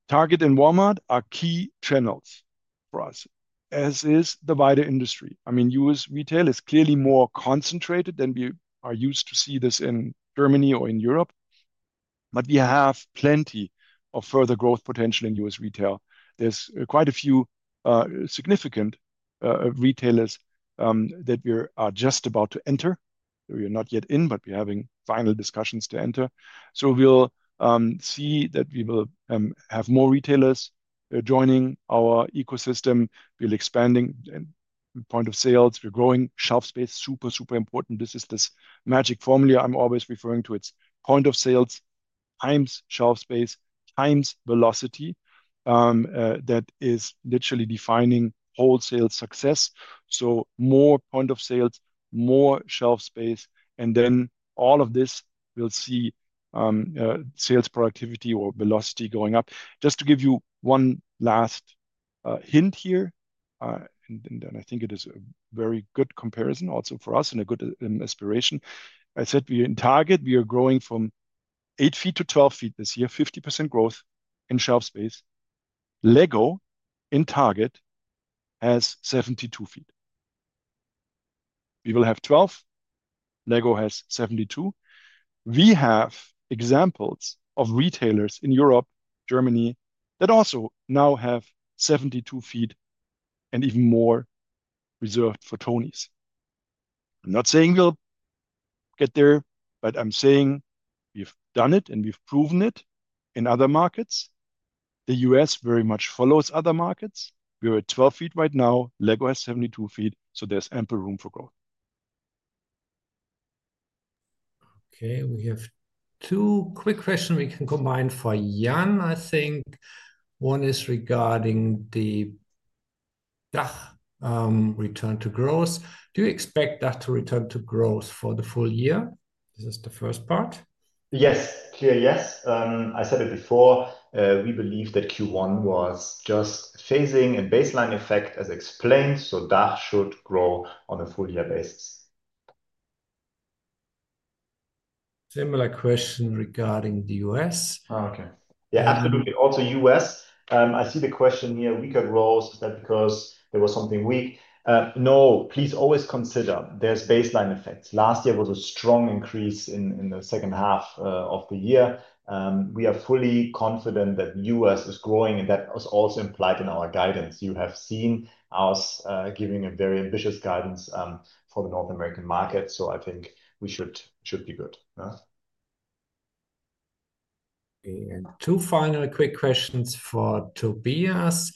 S2: Target and Walmart are key channels for us, as is the wider industry. U.S. retail is clearly more concentrated than we are used to seeing in Germany or in Europe. We have plenty of further growth potential in U.S. retail. There are quite a few significant retailers that we are just about to enter. We are not yet in, but we're having final discussions to enter. We will see that we will have more retailers joining our ecosystem. We're expanding point of sales. We're growing shelf space. Super, super important. This is this magic formula I'm always referring to. It's point of sales times shelf space times velocity. That is literally defining wholesale success. More point of sales, more shelf space, and then all of this will see sales productivity or velocity going up. Just to give you one last hint here, and I think it is a very good comparison also for us and a good aspiration. I said we're in Target. We are growing from 8 ft -12 ft this year, 50% growth in shelf space. Lego in Target has 72 ft. We will have 12. Lego has 72 ft. We have examples of retailers in Europe, Germany, that also now have 72 ft and even more reserved for Tonies. I'm not saying we'll get there, but I'm saying we've done it and we've proven it in other markets. The U.S. very much follows other markets. We're at 12 ft right now. Lego has 72 ft. There is ample room for growth.
S1: Okay, we have two quick questions we can combine for Jan. I think one is regarding the DACH return to growth. Do you expect DACH to return to growth for the full year? This is the first part.
S3: Yes, clear yes. I said it before. We believe that Q1 was just phasing and baseline effect, as explained. DACH should grow on a full-year basis.
S1: Similar question regarding the U.S.
S3: Oh, okay. Yeah, absolutely. Also, U.S. I see the question here. We got rose because there was something weak. No, please always consider there's baseline effects. Last year was a strong increase in the second half of the year. We are fully confident that the U.S. is growing, and that was also implied in our guidance. You have seen us giving a very ambitious guidance for the North American market. I think we should be good.
S1: Two final quick questions for Tobias.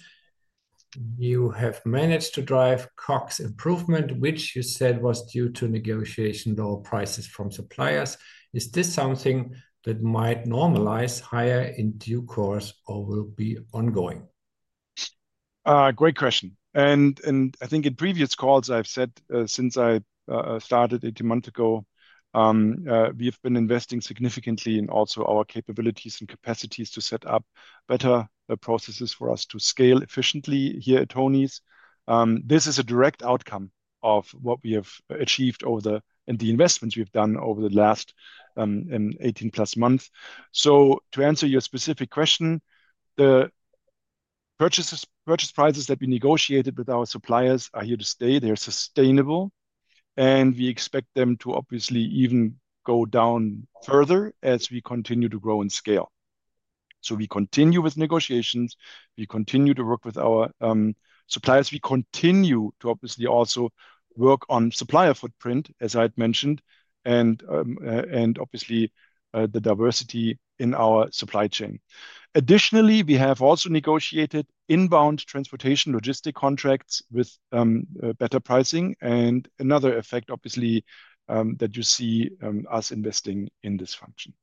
S1: You have managed to drive COGS improvement, which you said was due to negotiating lower prices from suppliers. Is this something that might normalize higher in due course or will it be ongoing?
S2: Great question. I think in previous calls, I've said since I started 18 months ago, we've been investing significantly in also our capabilities and capacities to set up better processes for us to scale efficiently here at Tonies. This is a direct outcome of what we have achieved and the investments we've done over the last 18 + months. To answer your specific question, the purchase prices that we negotiated with our suppliers are here to stay. They're sustainable. We expect them to obviously even go down further as we continue to grow in scale. We continue with negotiations. We continue to work with our suppliers. We continue to obviously also work on supplier footprint, as I had mentioned, and obviously, the diversity in our supply chain. Additionally, we have also negotiated inbound transportation logistic contracts with better pricing, and another effect, obviously, that you see is us investing in this function.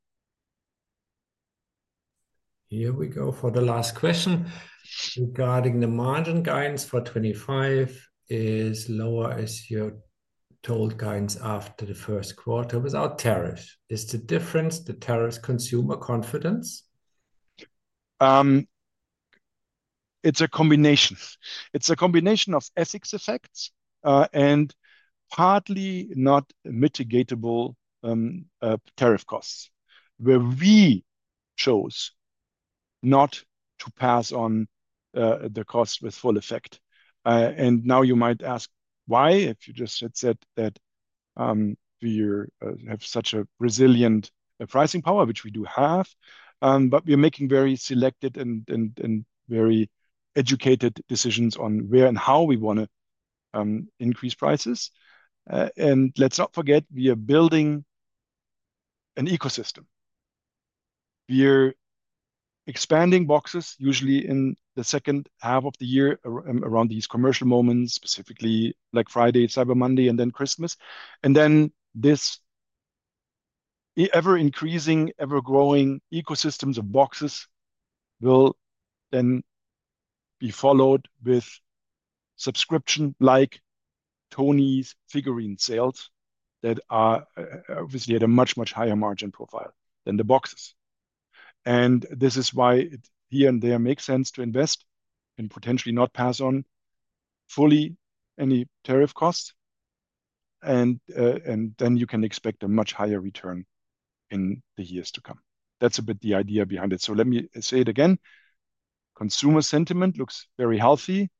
S1: Here we go for the last question. Regarding the margin guidance for 2025, is lower as you told guidance after the first quarter without tariffs. Is the difference the tariffs, consumer confidence?
S2: It's a combination. It's a combination of ethics effects, and partly not mitigatable tariff costs, where we chose not to pass on the cost with full effect. Now you might ask why, if you just had said that, do you have such a resilient pricing power, which we do have, but we are making very selected and very educated decisions on where and how we want to increase prices. Let's not forget, we are building an ecosystem. We are expanding boxes usually in the second half of the year around these commercial moments, specifically Black Friday, Cyber Monday, and then Christmas. This ever-increasing, ever-growing ecosystem of boxes will then be followed with subscription-like Tonies figurine sales that are obviously at a much, much higher margin profile than the boxes. This is why it here and there makes sense to invest and potentially not pass on fully any tariff costs, and then you can expect a much higher return in the years to come. That's a bit the idea behind it. Let me say it again. Consumer sentiment looks very healthy.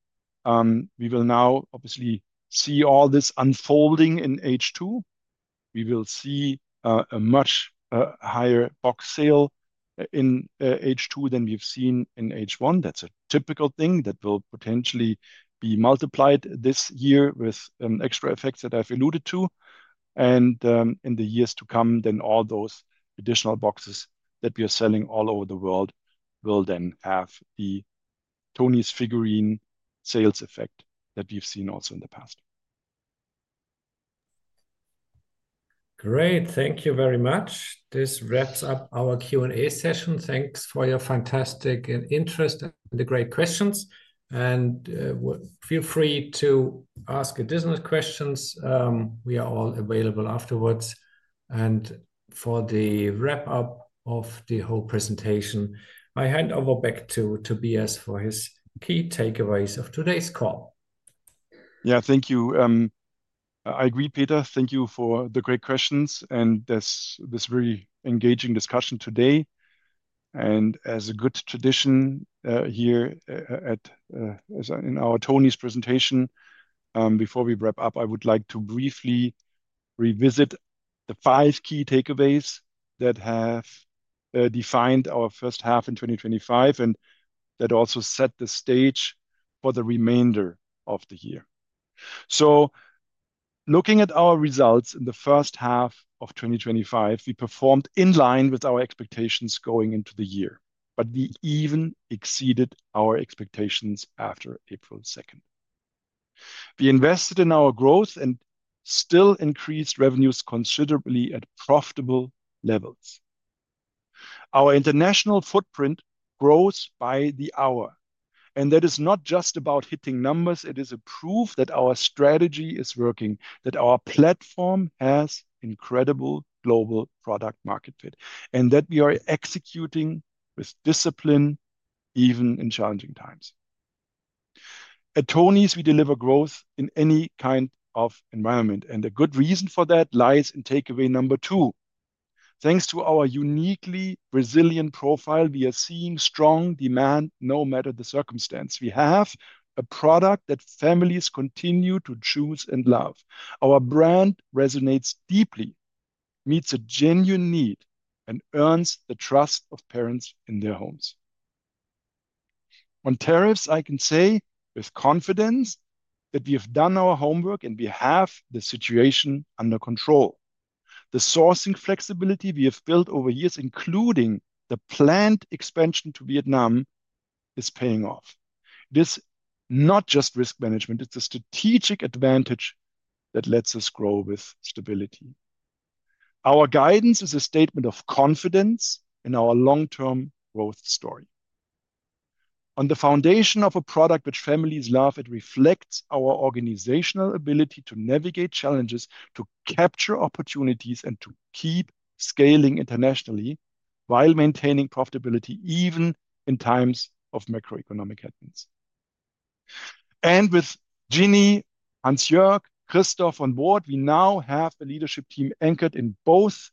S2: We will now obviously see all this unfolding in H2. We will see a much higher box sale in H2 than we've seen in H1. That's a typical thing that will potentially be multiplied this year with extra effects that I've alluded to. In the years to come, all those additional boxes that we are selling all over the world will then have the Tonies figurine sales effect that we've seen also in the past.
S1: Great. Thank you very much. This wraps up our Q&A session. Thanks for your fantastic interest and the great questions. Feel free to ask additional questions. We are all available afterwards. For the wrap-up of the whole presentation, I hand over back to Tobias for his key takeaways of today's call.
S2: Thank you. I agree, Peter. Thank you for the great questions and this really engaging discussion today. As a good tradition here, as in our Tonies SE presentation, before we wrap up, I would like to briefly revisit the five key takeaways that have defined our first half in 2025 and that also set the stage for the remainder of the year. Looking at our results in the first half of 2025, we performed in line with our expectations going into the year, but we even exceeded our expectations after April 2. We invested in our growth and still increased revenues considerably at profitable levels. Our international footprint grows by the hour. That is not just about hitting numbers. It is a proof that our strategy is working, that our platform has incredible global product market fit, and that we are executing with discipline even in challenging times. At Tonies SE, we deliver growth in any kind of environment, and a good reason for that lies in takeaway number two. Thanks to our uniquely resilient profile, we are seeing strong demand no matter the circumstance. We have a product that families continue to choose and love. Our brand resonates deeply, meets a genuine need, and earns the trust of parents in their homes. On tariffs, I can say with confidence that we have done our homework and we have the situation under control. The sourcing flexibility we have built over years, including the planned expansion to Vietnam, is paying off. This is not just risk management. It's a strategic advantage that lets us grow with stability. Our guidance is a statement of confidence in our long-term growth story. On the foundation of a product which families love, it reflects our organizational ability to navigate challenges, to capture opportunities, and to keep scaling internationally while maintaining profitability even in times of macroeconomic headwinds. With Ginny, Hans-Jörg, and Christoph on board, we now have the leadership team anchored in both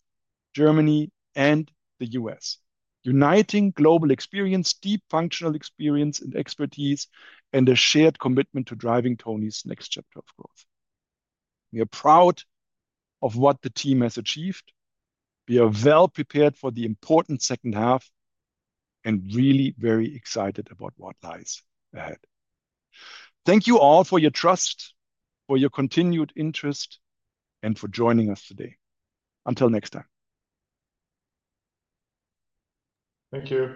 S2: Germany and the U.S., uniting global experience, deep functional experience and expertise, and a shared commitment to driving Tonies SE's next chapter of growth. We are proud of what the team has achieved. We are well prepared for the important second half and really very excited about what lies ahead. Thank you all for your trust, for your continued interest, and for joining us today. Until next time.
S1: Thank you.